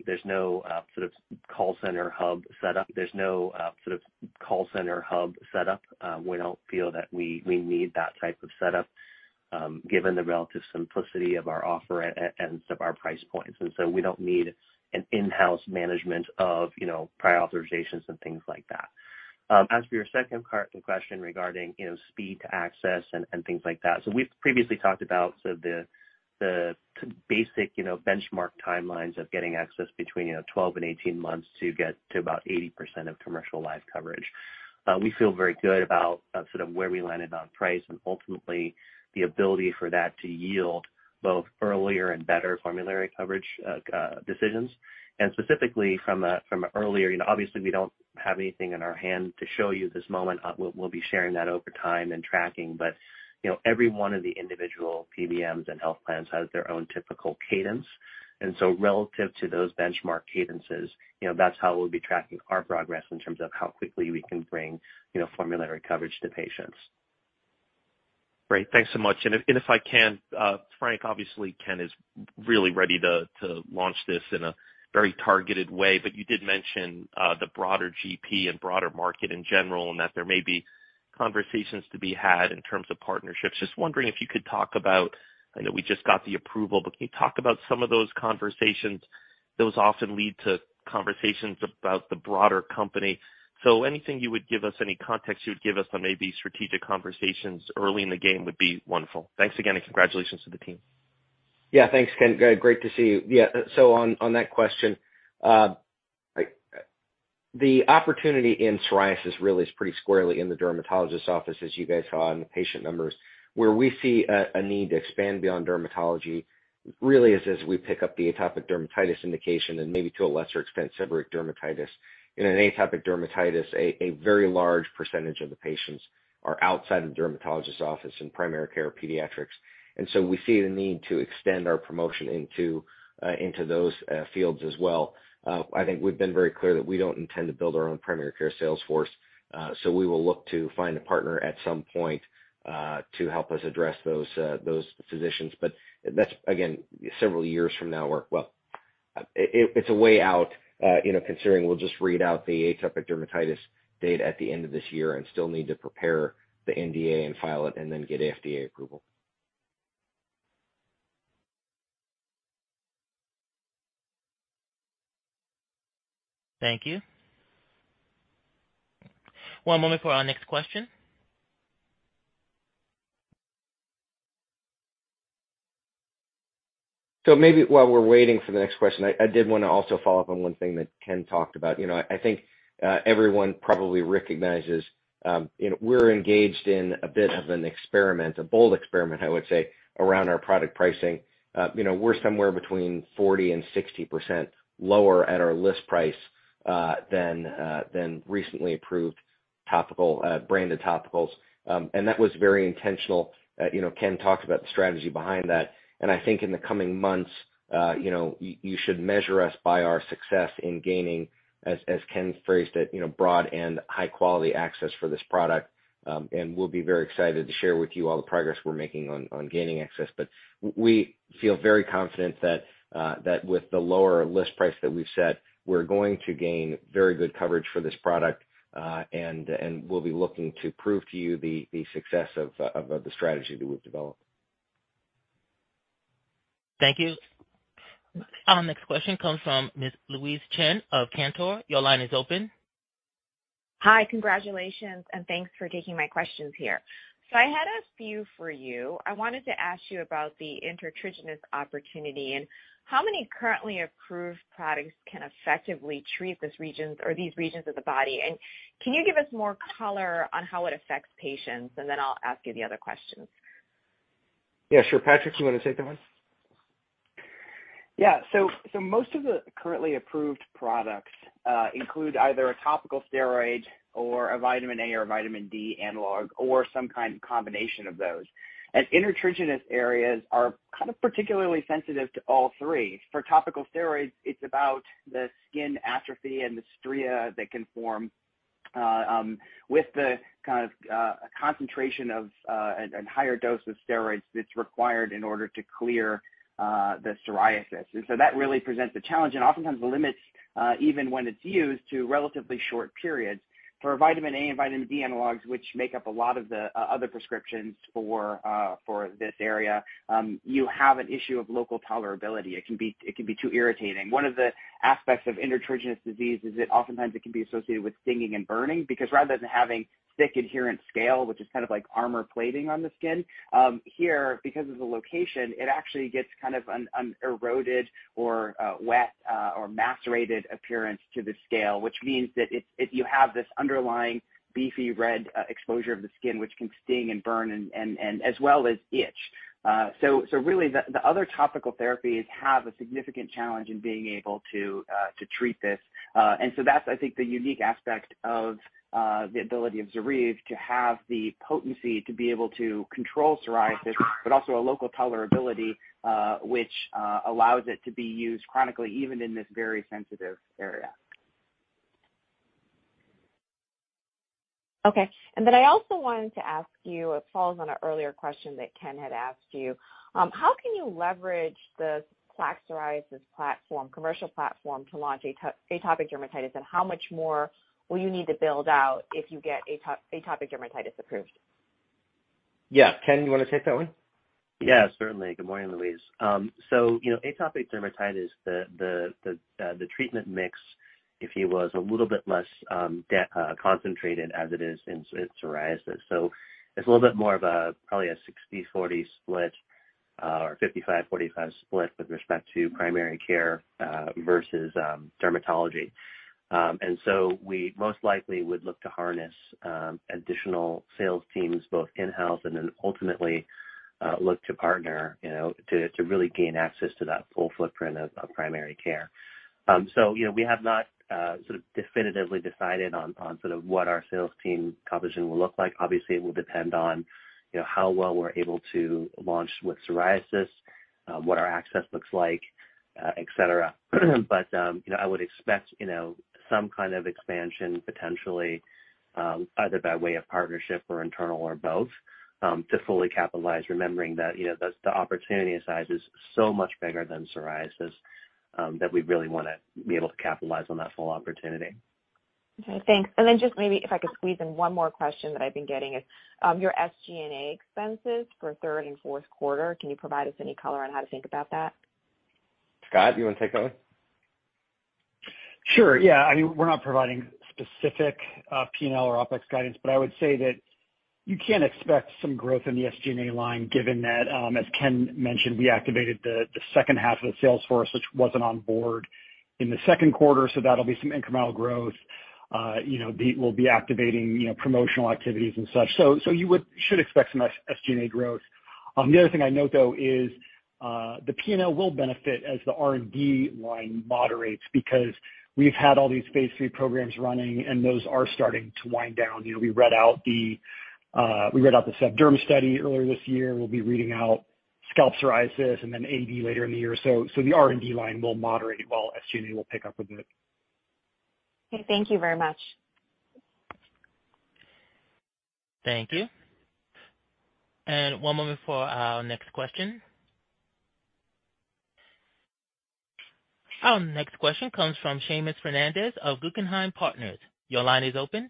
There's no sort of call center hub set up. We don't feel that we need that type of setup, given the relative simplicity of our offer and of our price points. We don't need an in-house management of, you know, prior authorizations and things like that. As for your second part of the question regarding, you know, speed to access and things like that. We've previously talked about sort of the basic, you know, benchmark timelines of getting access between 12-18 months to get to about 80% of commercial lives coverage. We feel very good about sort of where we landed on price and ultimately the ability for that to yield both earlier and better formulary coverage decisions. Specifically from earlier, you know, obviously we don't have anything in our hand to show you at this moment. We'll be sharing that over time and tracking. Every one of the individual PBMs and health plans has their own typical cadence. Relative to those benchmark cadences, you know, that's how we'll be tracking our progress in terms of how quickly we can bring, you know, formulary coverage to patients. Great. Thanks so much. If I can, Frank, obviously Ken is really ready to launch this in a very targeted way, but you did mention the broader GP and broader market in general, and that there may be conversations to be had in terms of partnerships. Just wondering if you could talk about, I know we just got the approval, but can you talk about some of those conversations? Those often lead to conversations about the broader company. Anything you would give us, any context you would give us on maybe strategic conversations early in the game would be wonderful. Thanks again, and congratulations to the team. Yeah, thanks, Ken. Great to see you. Yeah. On that question, the opportunity in psoriasis really is pretty squarely in the dermatologist's office, as you guys saw in the patient numbers. Where we see a need to expand beyond dermatology really is as we pick up the atopic dermatitis indication and maybe to a lesser extent, seborrheic dermatitis. In an atopic dermatitis, a very large percentage of the patients are outside the dermatologist's office in primary care pediatrics. We see the need to extend our promotion into those fields as well. I think we've been very clear that we don't intend to build our own primary care sales force. We will look to find a partner at some point to help us address those physicians. That's, again, several years from now. Well, it's a way out, you know, considering we'll just read out the atopic dermatitis data at the end of this year and still need to prepare the NDA and file it and then get FDA approval. Thank you. One moment for our next question. Maybe while we're waiting for the next question, I did want to also follow up on one thing that Ken talked about. You know, I think everyone probably recognizes, you know, we're engaged in a bit of an experiment, a bold experiment, I would say, around our product pricing. You know, we're somewhere between 40%-60% lower at our list price than recently approved topical branded topicals. That was very intentional. You know, Ken talked about the strategy behind that. I think in the coming months, you know, you should measure us by our success in gaining, as Ken phrased it, you know, broad and high quality access for this product. We'll be very excited to share with you all the progress we're making on gaining access. We feel very confident that with the lower list price that we've set, we're going to gain very good coverage for this product, and we'll be looking to prove to you the success of the strategy that we've developed. Thank you. Our next question comes from Ms Louise Chen of Cantor. Your line is open. Hi. Congratulations, and thanks for taking my questions here. I had a few for you. I wanted to ask you about the intertriginous opportunity and how many currently approved products can effectively treat these regions of the body. Can you give us more color on how it affects patients? Then I'll ask you the other questions. Yeah, sure. Patrick, you wanna take that one? Yeah. So most of the currently approved products include either a topical steroid or a vitamin A or a vitamin D analog or some kind of combination of those. Intertriginous areas are kind of particularly sensitive to all three. For topical steroids, it's about the skin atrophy and the striae that can form with the kind of concentration and higher dose of steroids that's required in order to clear the psoriasis. That really presents a challenge and oftentimes limits even when it's used to relatively short periods. For vitamin A and vitamin D analogs, which make up a lot of the other prescriptions for this area, you have an issue of local tolerability. It can be too irritating. One of the aspects of intertriginous disease is that oftentimes it can be associated with stinging and burning because rather than having thick adherent scale, which is kind of like armor plating on the skin, here, because of the location, it actually gets kind of an eroded or wet or macerated appearance to the scale, which means that you have this underlying beefy red exposure of the skin which can sting and burn and as well as itch. Really the other topical therapies have a significant challenge in being able to treat this. That's, I think, the unique aspect of the ability of ZORYVE to have the potency to be able to control psoriasis, but also a local tolerability, which allows it to be used chronically even in this very sensitive area. Okay. I also wanted to ask you, it follows on an earlier question that Ken had asked you, how can you leverage the plaque psoriasis platform, commercial platform to launch atopic dermatitis? How much more will you need to build out if you get atopic dermatitis approved? Yeah. Ken, you wanna take that one? Yeah, certainly. Good morning, Louise. So, you know, atopic dermatitis, the treatment mix, if you will, is a little bit less concentrated as it is in psoriasis. It's a little bit more of a probably a 60-40 split or 55-45 split with respect to primary care versus dermatology. We most likely would look to harness additional sales teams both in-house and then ultimately look to partner, you know, to really gain access to that full footprint of primary care. You know, we have not sort of definitively decided on sort of what our sales team composition will look like. Obviously, it will depend on, you know, how well we're able to launch with psoriasis, what our access looks like, et cetera. You know, I would expect, you know, some kind of expansion potentially, either by way of partnership or internal or both, to fully capitalize, remembering that, you know, the opportunity size is so much bigger than psoriasis, that we really wanna be able to capitalize on that full opportunity. Okay, thanks. Just maybe if I could squeeze in one more question that I've been getting is, your SG&A expenses for third and fourth quarter, can you provide us any color on how to think about that? Scott, you wanna take that one? Sure, yeah. I mean, we're not providing specific P&L or OpEx guidance, but I would say that you can expect some growth in the SG&A line given that, as Ken mentioned, we activated the second half of the sales force, which wasn't on board in the second quarter. That'll be some incremental growth. You know, we'll be activating promotional activities and such. You should expect some SG&A growth. The other thing I note, though, is the P&L will benefit as the R&D line moderates because we've had all these phase three programs running, and those are starting to wind down. You know, we read out the DERMIS study earlier this year. We'll be reading out scalp psoriasis and then AD later in the year. The R&D line will moderate while SG&A will pick up a bit. Okay, thank you very much. Thank you. One moment for our next question. Our next question comes from Seamus Fernandez of Guggenheim Partners. Your line is open.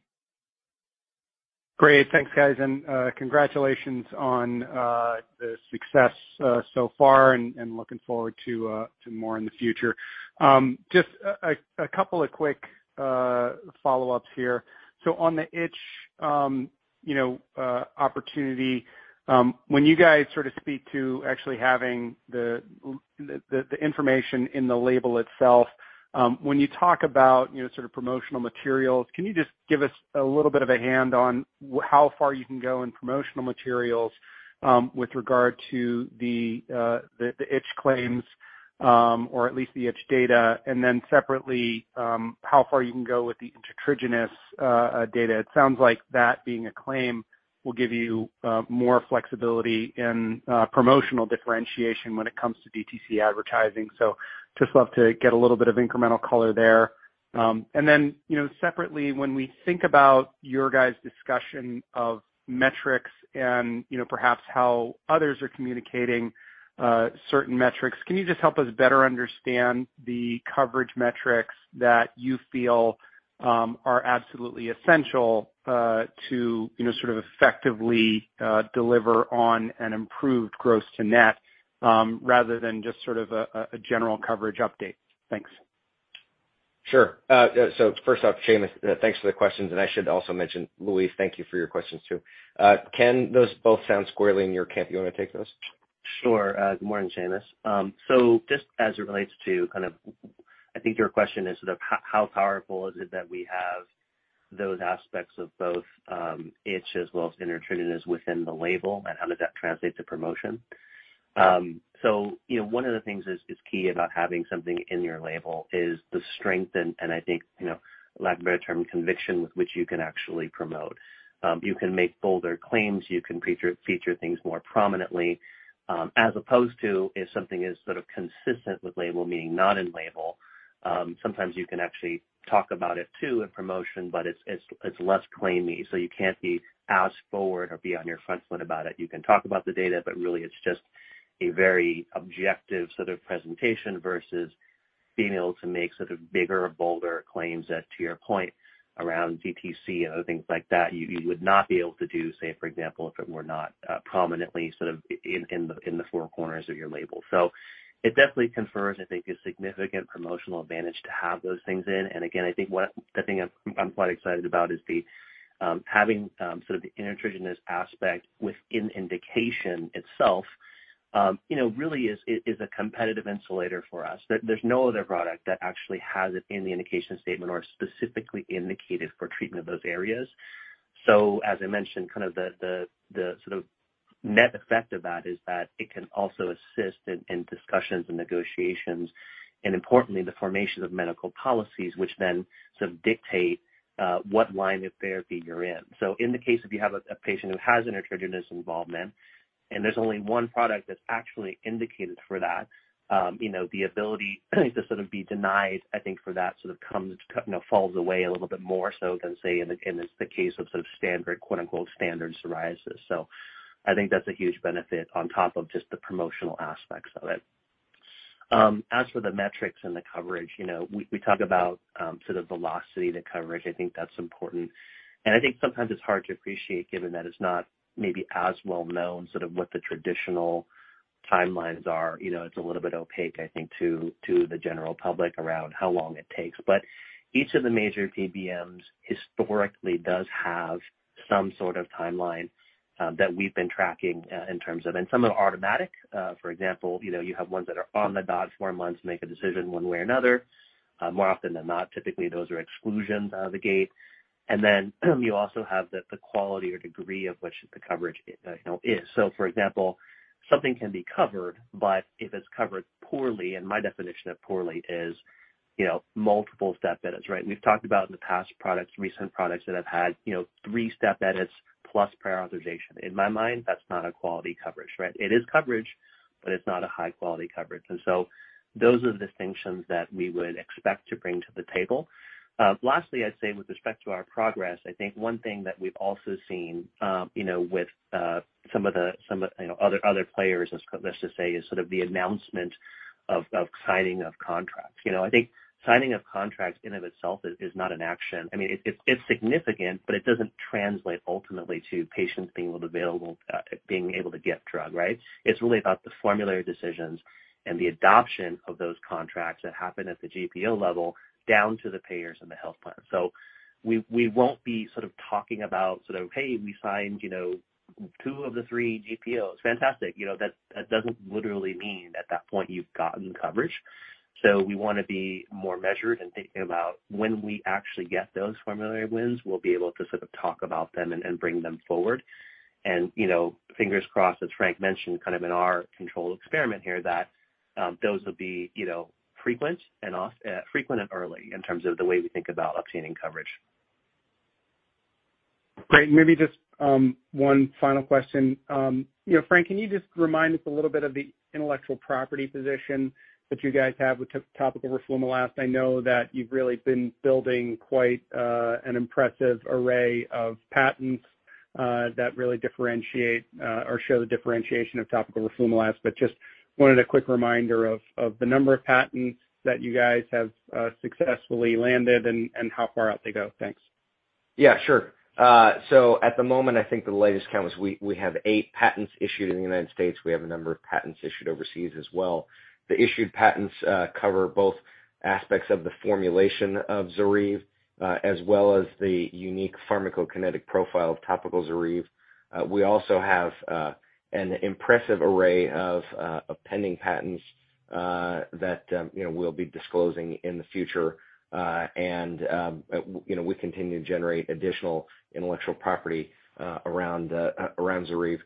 Great. Thanks, guys, and congratulations on the success so far and looking forward to more in the future. Just a couple of quick follow-ups here. On the itch opportunity, when you guys sort of speak to actually having the information in the label itself. When you talk about, you know, sort of promotional materials, can you just give us a little bit of a hand on how far you can go in promotional materials, with regard to the itch claims, or at least the itch data? Then separately, how far you can go with the intertriginous data. It sounds like that being a claim will give you more flexibility in promotional differentiation when it comes to DTC advertising. Just love to get a little bit of incremental color there. You know, separately, when we think about your guys' discussion of metrics and, you know, perhaps how others are communicating certain metrics, can you just help us better understand the coverage metrics that you feel are absolutely essential to, you know, sort of effectively deliver on an improved gross to net rather than just sort of a general coverage update? Thanks. Sure. First off, Seamus, thanks for the questions. I should also mention, Louise, thank you for your questions too. Ken, those both sound squarely in your camp. You wanna take those? Sure. Good morning, Seamus. Just as it relates to kind of, I think your question is sort of how powerful is it that we have those aspects of both, itch as well as intertriginous within the label, and how does that translate to promotion? You know, one of the things is key about having something in your label is the strength and, I think, you know, lack of better term, conviction with which you can actually promote. You can make bolder claims, you can feature things more prominently, as opposed to if something is sort of consistent with label being not in label. Sometimes you can actually talk about it too in promotion, but it's less claimy, so you can't be as forward or be on your front foot about it. You can talk about the data, but really it's just a very objective sort of presentation versus being able to make sort of bigger, bolder claims that, to your point, around DTC and other things like that you would not be able to do, say, for example, if it were not prominently sort of in the four corners of your label. So it definitely confers, I think, a significant promotional advantage to have those things in. Again, I think one the thing I'm quite excited about is the having sort of the intertriginous aspect within indication itself, you know, really is a competitive insulator for us. There's no other product that actually has it in the indication statement or specifically indicated for treatment of those areas. As I mentioned, kind of the sort of net effect of that is that it can also assist in discussions and negotiations, and importantly, the formation of medical policies, which then sort of dictate what line of therapy you're in. In the case if you have a patient who has intertriginous involvement, and there's only one product that's actually indicated for that, you know, the ability to sort of be denied, I think for that sort of comes, you know, falls away a little bit more so than, say, in the case of sort of standard, quote, unquote, "standard psoriasis." I think that's a huge benefit on top of just the promotional aspects of it. As for the metrics and the coverage, you know, we talk about sort of velocity to coverage. I think that's important. I think sometimes it's hard to appreciate given that it's not maybe as well known sort of what the traditional timelines are. You know, it's a little bit opaque, I think, to the general public around how long it takes. Each of the major PBMs historically does have some sort of timeline that we've been tracking in terms of. Some are automatic. For example, you know, you have ones that are on the dot, 4 months, make a decision one way or another. More often than not, typically, those are exclusions out of the gate. Then you also have the quality or degree of which the coverage, you know, is. So for example, something can be covered, but if it's covered poorly, and my definition of poorly is, you know, multiple step edits, right? We've talked about in the past products, recent products that have had, you know, three-step edits plus prior authorization. In my mind, that's not a quality coverage, right? It is coverage, but it's not a high-quality coverage. Those are the distinctions that we would expect to bring to the table. Lastly, I'd say with respect to our progress, I think one thing that we've also seen, you know, with some of, you know, other players, as, let's just say, is sort of the announcement of signing of contracts. You know, I think signing of contracts in and of itself is not an action. I mean, it's significant, but it doesn't translate ultimately to patients being able to get drug, right? It's really about the formulary decisions and the adoption of those contracts that happen at the GPO level down to the payers and the health plan. We won't be sort of talking about sort of, hey, we signed, you know, two of the three GPOs. Fantastic. You know, that doesn't literally mean at that point you've gotten coverage. We wanna be more measured in thinking about when we actually get those formulary wins, we'll be able to sort of talk about them and bring them forward. You know, fingers crossed, as Frank mentioned, kind of in our controlled experiment here, those will be, you know, frequent and early in terms of the way we think about obtaining coverage. Great. Maybe just one final question. You know, Frank, can you just remind us a little bit of the intellectual property position that you guys have with topical roflumilast? I know that you've really been building quite an impressive array of patents that really differentiate or show the differentiation of topical roflumilast, but just wanted a quick reminder of the number of patents that you guys have successfully landed and how far out they go. Thanks. Yeah, sure. At the moment, I think the latest count was we have eight patents issued in the United States. We have a number of patents issued overseas as well. The issued patents cover both aspects of the formulation of ZORYVE. As well as the unique pharmacokinetic profile of topical ZORYVE. We also have an impressive array of pending patents that you know we'll be disclosing in the future. You know we continue to generate additional intellectual property around ZORYVE.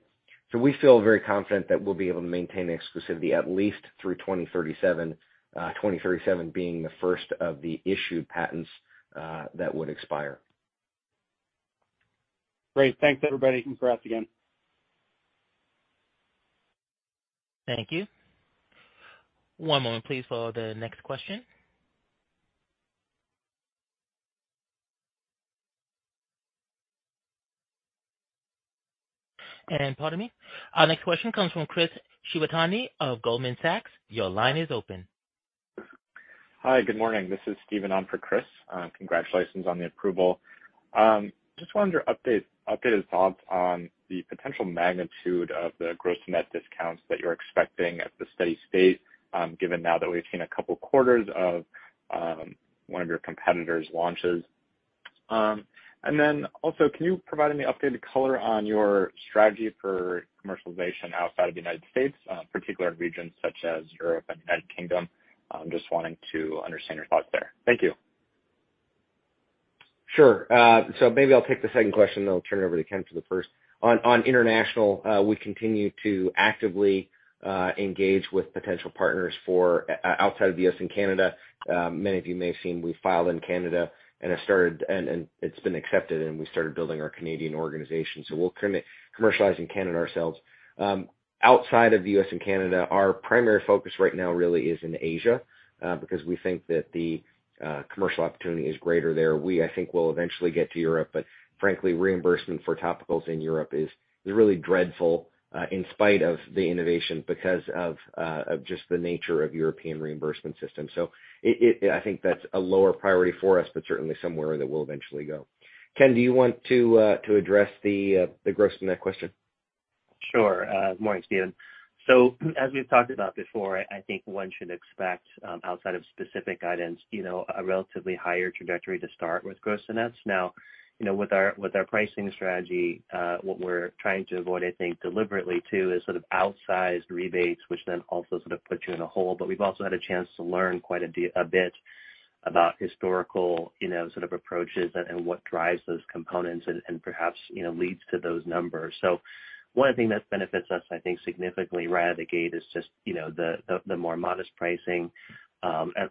We feel very confident that we'll be able to maintain exclusivity at least through 2037 being the first of the issued patents that would expire. Great. Thanks, everybody. Congrats again. Thank you. One moment please for the next question. Pardon me. Our next question comes from Chris Shibutani of Goldman Sachs. Your line is open. Hi. Good morning. This is Steven on for Chris. Congratulations on the approval. Just wanted your updated thoughts on the potential magnitude of the gross-to-net discounts that you're expecting at the steady state, given now that we've seen a couple quarters of one of your competitors' launches. Can you provide any updated color on your strategy for commercialization outside of the United States, particular regions such as Europe and United Kingdom? I'm just wanting to understand your thoughts there. Thank you. Sure. So maybe I'll take the second question, then I'll turn it over to Ken for the first. On international, we continue to actively engage with potential partners for outside of the U.S. and Canada. Many of you may have seen, we filed in Canada and it's been accepted, and we started building our Canadian organization. We'll commercialize in Canada ourselves. Outside of the U.S. and Canada, our primary focus right now really is in Asia, because we think that the commercial opportunity is greater there. We, I think, will eventually get to Europe, but frankly, reimbursement for topicals in Europe is really dreadful in spite of the innovation because of just the nature of European reimbursement system. I think that's a lower priority for us, but certainly somewhere that we'll eventually go. Ken, do you want to address the gross-to-net question? Sure. Good morning, Steven. As we've talked about before, I think one should expect, outside of specific guidance, you know, a relatively higher trajectory to start with gross nets. Now, you know, with our pricing strategy, what we're trying to avoid, I think, deliberately, too, is sort of outsized rebates, which then also sort of put you in a hole. We've also had a chance to learn quite a bit about historical, you know, sort of approaches and what drives those components and perhaps, you know, leads to those numbers. One of the thing that benefits us, I think, significantly right out of the gate is just, you know, the more modest pricing.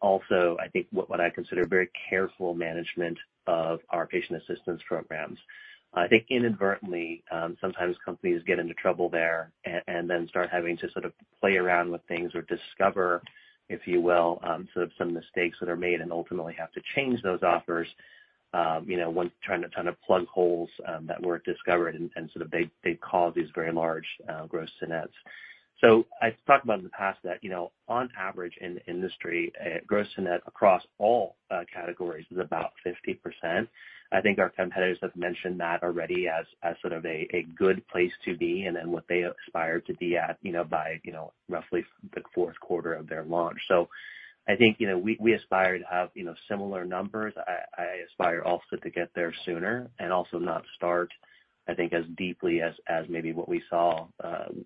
Also I think what I consider very careful management of our patient assistance programs. I think inadvertently, sometimes companies get into trouble there and then start having to sort of play around with things or discover, if you will, sort of some mistakes that are made and ultimately have to change those offers, you know, when trying to kind of plug holes that were discovered and sort of they cause these very large gross to nets. I've talked about in the past that, you know, on average in the industry, gross to net across all categories is about 50%. I think our competitors have mentioned that already as sort of a good place to be and then what they aspire to be at, you know, by, you know, roughly the fourth quarter of their launch. I think, you know, we aspire to have, you know, similar numbers. I aspire also to get there sooner and also not start, I think, as deeply as maybe what we saw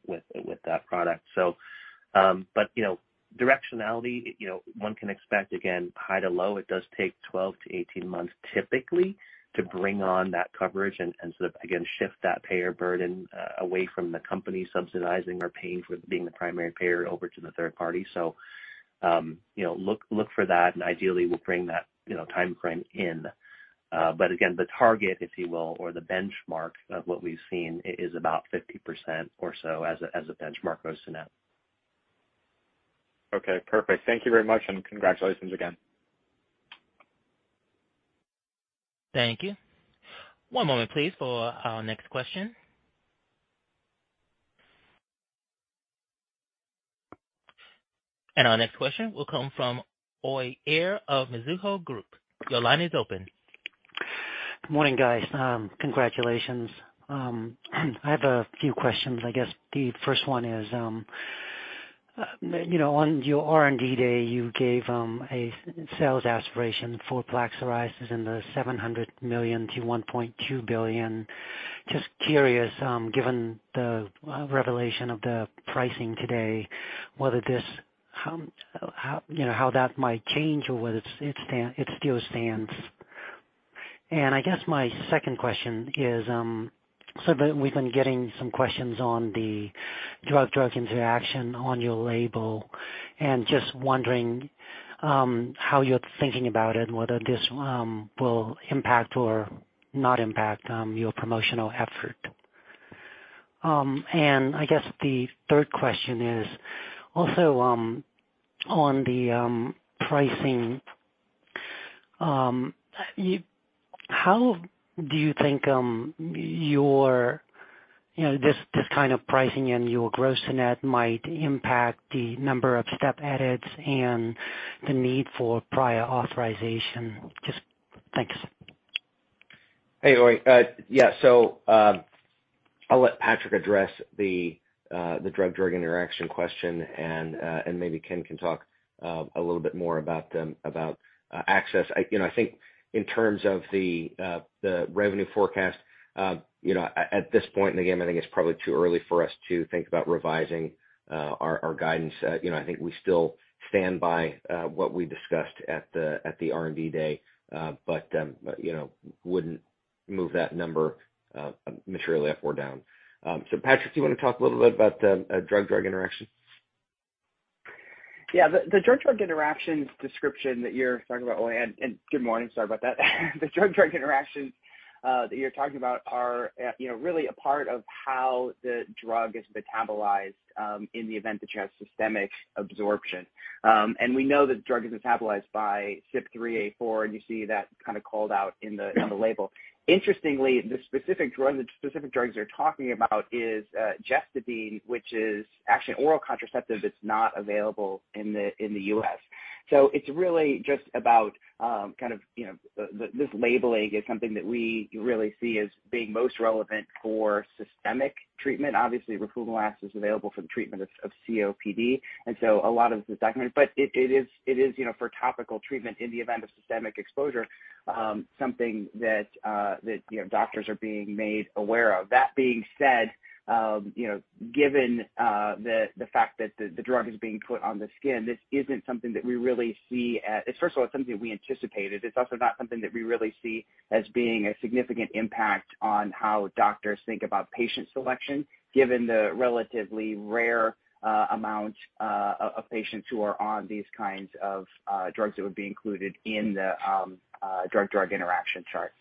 with that product. You know, directionality, you know, one can expect again high to low. It does take 12-18 months typically to bring on that coverage and sort of again shift that payer burden away from the company subsidizing or paying for being the primary payer over to the third party. You know, look for that, and ideally we'll bring that, you know, timeframe in. Again, the target, if you will, or the benchmark of what we've seen is about 50% or so as a benchmark gross to net. Okay. Perfect. Thank you very much, and congratulations again. Thank you. One moment please for our next question. Our next question will come from Uy Ear of Mizuho Securities. Your line is open. Good morning, guys. Congratulations. I have a few questions. I guess the first one is, you know, on your R&D day, you gave a sales aspiration for plaque psoriasis in the $700 million-$1.2 billion. Just curious, given the revelation of the pricing today, whether this, you know, how that might change or whether it still stands. I guess my second question is, so we've been getting some questions on the drug-drug interaction on your label, and just wondering, how you're thinking about it, whether this will impact or not impact your promotional effort. I guess the third question is also on the pricing. How do you think your you know this kind of pricing and your gross to net might impact the number of step edits and the need for prior authorization? Just thanks. Hey, Uy. I'll let Patrick address the drug-drug interaction question and maybe Ken can talk a little bit more about access. I, you know, I think in terms of the revenue forecast, you know, at this point in the game, I think it's probably too early for us to think about revising our guidance. You know, I think we still stand by what we discussed at the R&D day, but you know, wouldn't move that number materially up or down. Patrick, do you wanna talk a little bit about the drug-drug interaction? Yeah. The drug-drug interactions description that you're talking about, Uy, and good morning. Sorry about that. The drug-drug interactions that you're talking about are, you know, really a part of how the drug is metabolized in the event that you have systemic absorption. And we know that the drug is metabolized by CYP3A4, and you see that kind of called out on the label. Interestingly, the specific drugs you're talking about is gestodene, which is actually an oral contraceptive that's not available in the U.S. So it's really just about, kind of, you know, this labeling is something that we really see as being most relevant for systemic treatment. Obviously, roflumilast is available for the treatment of COPD, and so a lot of it is documented, but it is, you know, for topical treatment in the event of systemic exposure, something that, you know, doctors are being made aware of. That being said, you know, given the fact that the drug is being put on the skin, this isn't something that we really see as. First of all, it's something we anticipated. It's also not something that we really see as being a significant impact on how doctors think about patient selection, given the relatively rare amount of patients who are on these kinds of drugs that would be included in the drug-drug interaction chart.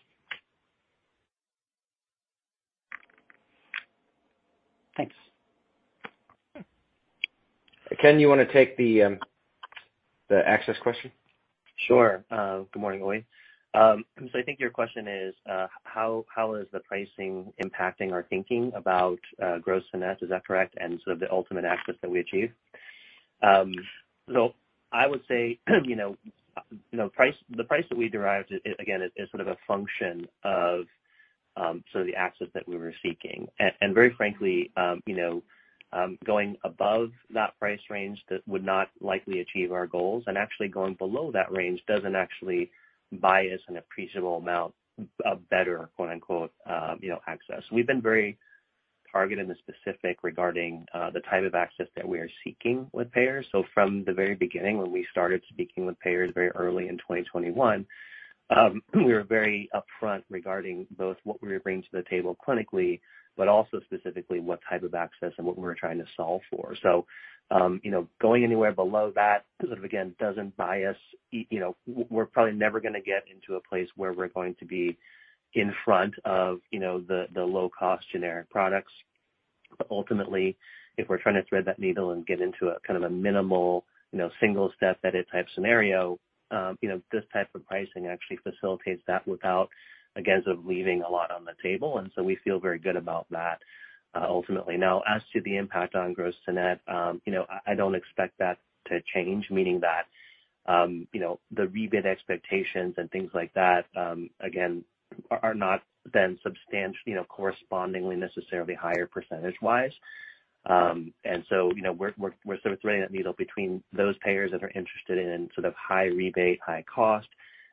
Thanks. Ken, you wanna take the access question? Sure. Good morning, Uy. I think your question is, how is the pricing impacting our thinking about gross to net, is that correct, and sort of the ultimate access that we achieve? I would say, you know, the price that we derived again is sort of a function of sort of the access that we were seeking. Very frankly, you know, going above that price range that would not likely achieve our goals, and actually going below that range doesn't actually buy us an appreciable amount of better, quote unquote, you know, access. We've been very targeted and specific regarding the type of access that we are seeking with payers. From the very beginning when we started speaking with payers very early in 2021, we were very upfront regarding both what we were bringing to the table clinically, but also specifically what type of access and what we were trying to solve for. You know, going anywhere below that sort of again, doesn't buy us, you know, we're probably never gonna get into a place where we're going to be in front of, you know, the low-cost generic products. Ultimately, if we're trying to thread that needle and get into a kind of a minimal, you know, single-step edit type scenario, you know, this type of pricing actually facilitates that without, again, sort of leaving a lot on the table. We feel very good about that, ultimately. Now, as to the impact on gross to net, you know, I don't expect that to change, meaning that, you know, the rebid expectations and things like that, again, are not then substantial, you know, correspondingly necessarily higher percentage-wise. You know, we're sort of threading that needle between those payers that are interested in sort of high rebate, high cost,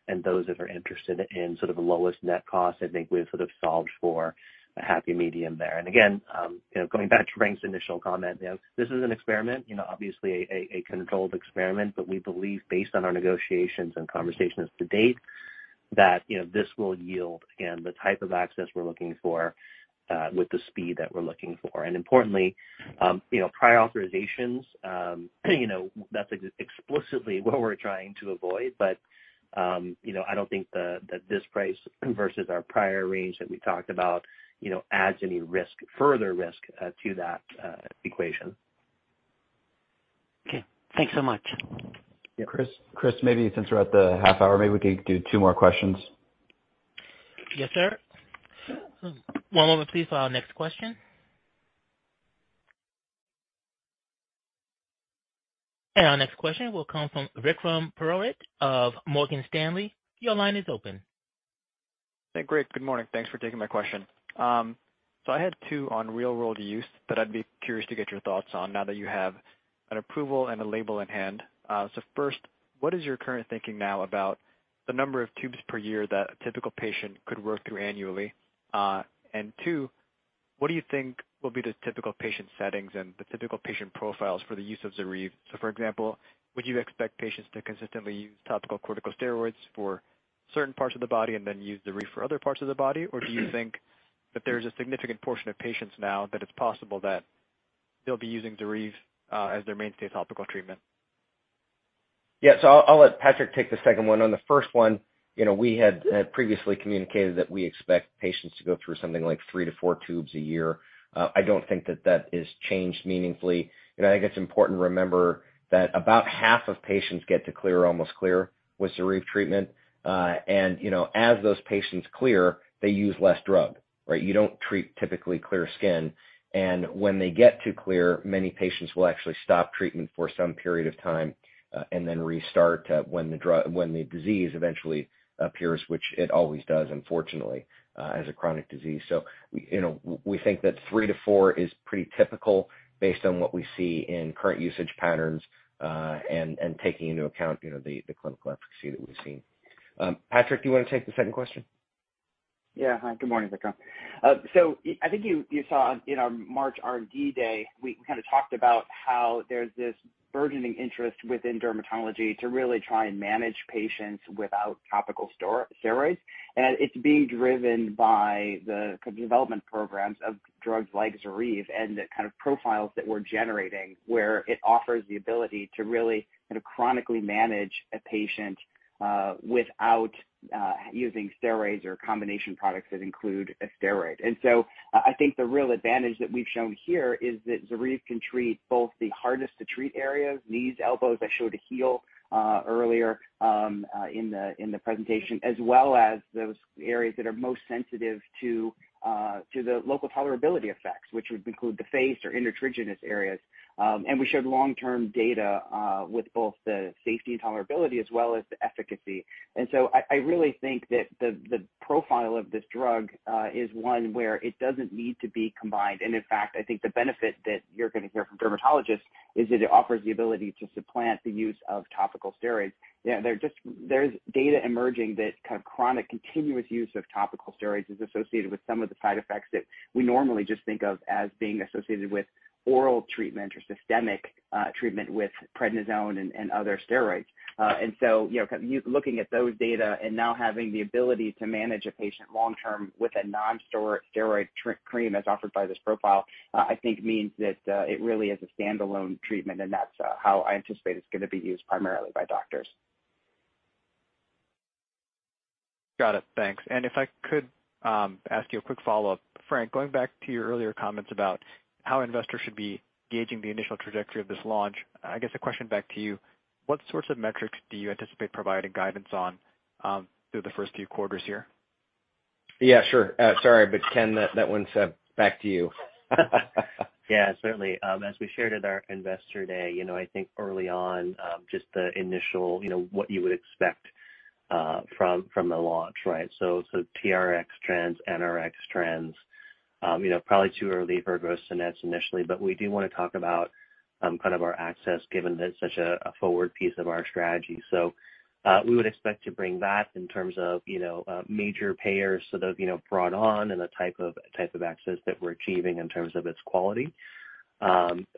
and those that are interested in sort of lowest net cost. I think we've sort of solved for a happy medium there. Again, you know, going back to Frank's initial comment, you know, this is an experiment, you know, obviously a controlled experiment, but we believe based on our negotiations and conversations to date, that, you know, this will yield, again, the type of access we're looking for, with the speed that we're looking for. Importantly, you know, prior authorizations, you know, that's explicitly what we're trying to avoid. I don't think that this price versus our prior range that we talked about, you know, adds any further risk to that equation. Okay. Thanks so much. Yeah. Chris, maybe since we're at the half hour, maybe we can do two more questions. Yes, sir. One moment please for our next question. Our next question will come from Vikram Purohit of Morgan Stanley. Your line is open. Hey, great. Good morning. Thanks for taking my question. I had two on real-world use that I'd be curious to get your thoughts on now that you have an approval and a label in hand. First, what is your current thinking now about the number of tubes per year that a typical patient could work through annually? Two, what do you think will be the typical patient settings and the typical patient profiles for the use of ZORYVE? For example, would you expect patients to consistently use topical corticosteroids for certain parts of the body and then use ZORYVE for other parts of the body? Or do you think that there's a significant portion of patients now that it's possible that they'll be using ZORYVE as their mainstay topical treatment? Yeah. I'll let Patrick take the second one. On the first one, you know, we had previously communicated that we expect patients to go through something like three to four tubes a year. I don't think that has changed meaningfully. You know, I think it's important to remember that about half of patients get to clear or almost clear with ZORYVE treatment. And you know, as those patients clear, they use less drug, right? You don't treat typically clear skin. When they get to clear, many patients will actually stop treatment for some period of time and then restart when the disease eventually appears, which it always does, unfortunately, as a chronic disease. We think that threee to four is pretty typical based on what we see in current usage patterns, and taking into account the clinical efficacy that we've seen. Patrick, do you wanna take the second question? Yeah. Hi, good morning, Vikram. So I think you saw in our March R&D day, we kind of talked about how there's this burgeoning interest within dermatology to really try and manage patients without topical steroids. It's being driven by the development programs of drugs like ZORYVE and the kind of profiles that we're generating, where it offers the ability to really kind of chronically manage a patient without using steroids or combination products that include a steroid. I think the real advantage that we've shown here is that ZORYVE can treat both the hardest to treat areas, knees, elbows. I showed a heel earlier in the presentation, as well as those areas that are most sensitive to the local tolerability effects, which would include the face or intertriginous areas. We showed long-term data with both the safety and tolerability as well as the efficacy. I really think that the profile of this drug is one where it doesn't need to be combined. In fact, I think the benefit that you're gonna hear from dermatologists is that it offers the ability to supplant the use of topical steroids. Yeah, there's data emerging that kind of chronic continuous use of topical steroids is associated with some of the side effects that we normally just think of as being associated with oral treatment or systemic treatment with prednisone and other steroids. You know, kind of you looking at those data and now having the ability to manage a patient long term with a non-steroidal, steroid-free cream as offered by this profile, I think means that, it really is a standalone treatment, and that's how I anticipate it's gonna be used primarily by doctors. Got it. Thanks. If I could ask you a quick follow-up. Frank, going back to your earlier comments about how investors should be gauging the initial trajectory of this launch. I guess a question back to you, what sorts of metrics do you anticipate providing guidance on through the first few quarters here? Yeah, sure. Sorry, but Ken, that one's back to you. Yeah, certainly. As we shared at our investor day, you know, I think early on, just the initial, you know, what you would expect from the launch, right? TRx trends, NRx trends, you know, probably too early for gross nets initially. We do wanna talk about kind of our access given that it's such a forward piece of our strategy. We would expect to bring that in terms of, you know, major payers, sort of, you know, brought on and the type of access that we're achieving in terms of its quality.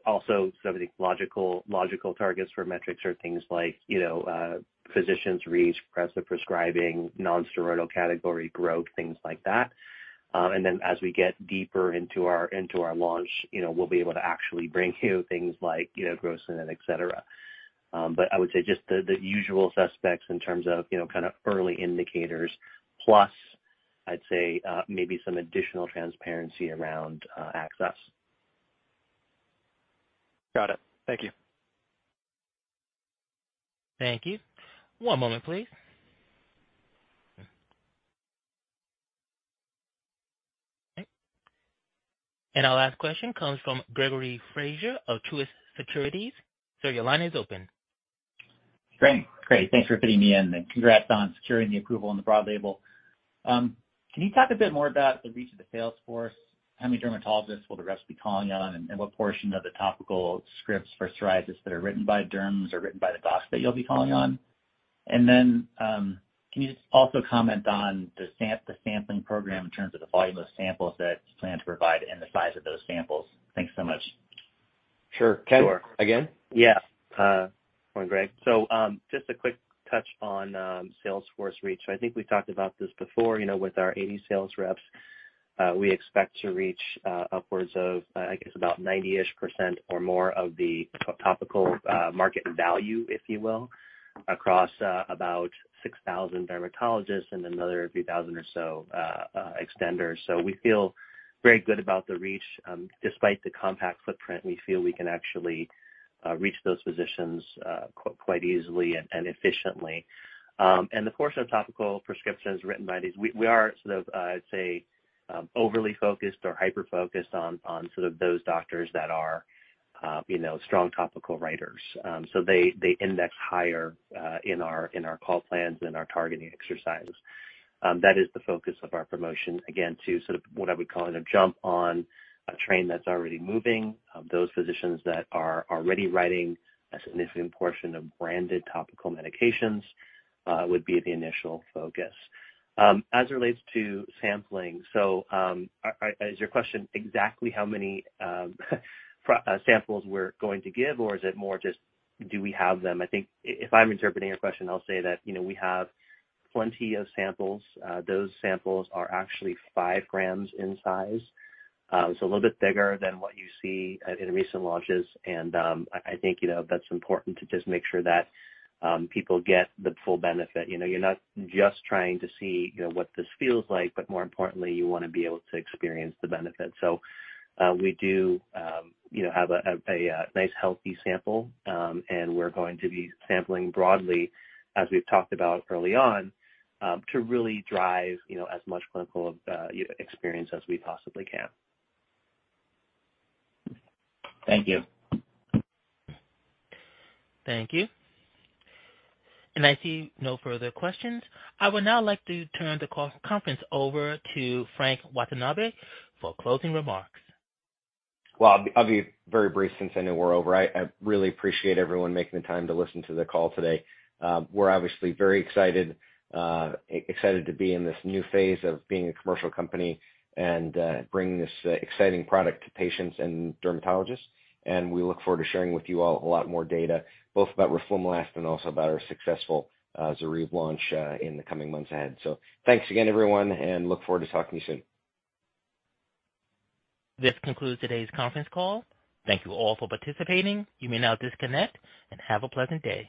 Also some of the logical targets for metrics are things like, you know, physicians reached, perhaps the prescribing non-steroidal category growth, things like that. As we get deeper into our launch, you know, we'll be able to actually bring you things like, you know, gross net, et cetera. I would say just the usual suspects in terms of, you know, kind of early indicators, plus I'd say, maybe some additional transparency around access. Got it. Thank you. Thank you. One moment, please. Our last question comes from Gregory Fraser of Truist Securities. Sir, your line is open. Frank, great. Thanks for fitting me in, and congrats on securing the approval on the broad label. Can you talk a bit more about the reach of the sales force? How many dermatologists will the rest be calling on, and what portion of the topical scripts for psoriasis that are written by derms are written by the docs that you'll be calling on? Then, can you just also comment on the sampling program in terms of the volume of samples that you plan to provide and the size of those samples? Thanks so much. Sure. Ken, again. Yeah. Hi, Greg. Just a quick touch on sales force reach. I think we talked about this before, you know, with our 80 sales reps, we expect to reach upwards of, I guess about 90-ish% or more of the topical market value, if you will, across about 6,000 dermatologists and another few thousand or so extenders. We feel very good about the reach. Despite the compact footprint, we feel we can actually reach those physicians quite easily and efficiently. The portion of topical prescriptions written by these. We are sort of, I'd say, overly focused or hyper-focused on sort of those doctors that are, you know, strong topical writers. They index higher in our call plans and our targeting exercises. That is the focus of our promotion, again, to sort of what I would call in a jump on a train that's already moving. Those physicians that are already writing a significant portion of branded topical medications would be the initial focus. As it relates to sampling, is your question exactly how many samples we're going to give, or is it more just do we have them? I think if I'm interpreting your question, I'll say that, you know, we have plenty of samples. Those samples are actually 5 grams in size. A little bit bigger than what you see in recent launches. I think, you know, that's important to just make sure that people get the full benefit. You know, you're not just trying to see, you know, what this feels like, but more importantly, you wanna be able to experience the benefit. We do, you know, have a nice healthy sample. We're going to be sampling broadly, as we've talked about early on, to really drive, you know, as much clinical experience as we possibly can. Thank you. Thank you. I see no further questions. I would now like to turn the conference over to Frank Watanabe for closing remarks. Well, I'll be very brief since I know we're over. I really appreciate everyone making the time to listen to the call today. We're obviously very excited to be in this new phase of being a commercial company and bringing this exciting product to patients and dermatologists. We look forward to sharing with you all a lot more data, both about roflumilast and also about our successful ZORYVE launch in the coming months ahead. Thanks again, everyone, and look forward to talking to you soon. This concludes today's conference call. Thank you all for participating. You may now disconnect and have a pleasant day.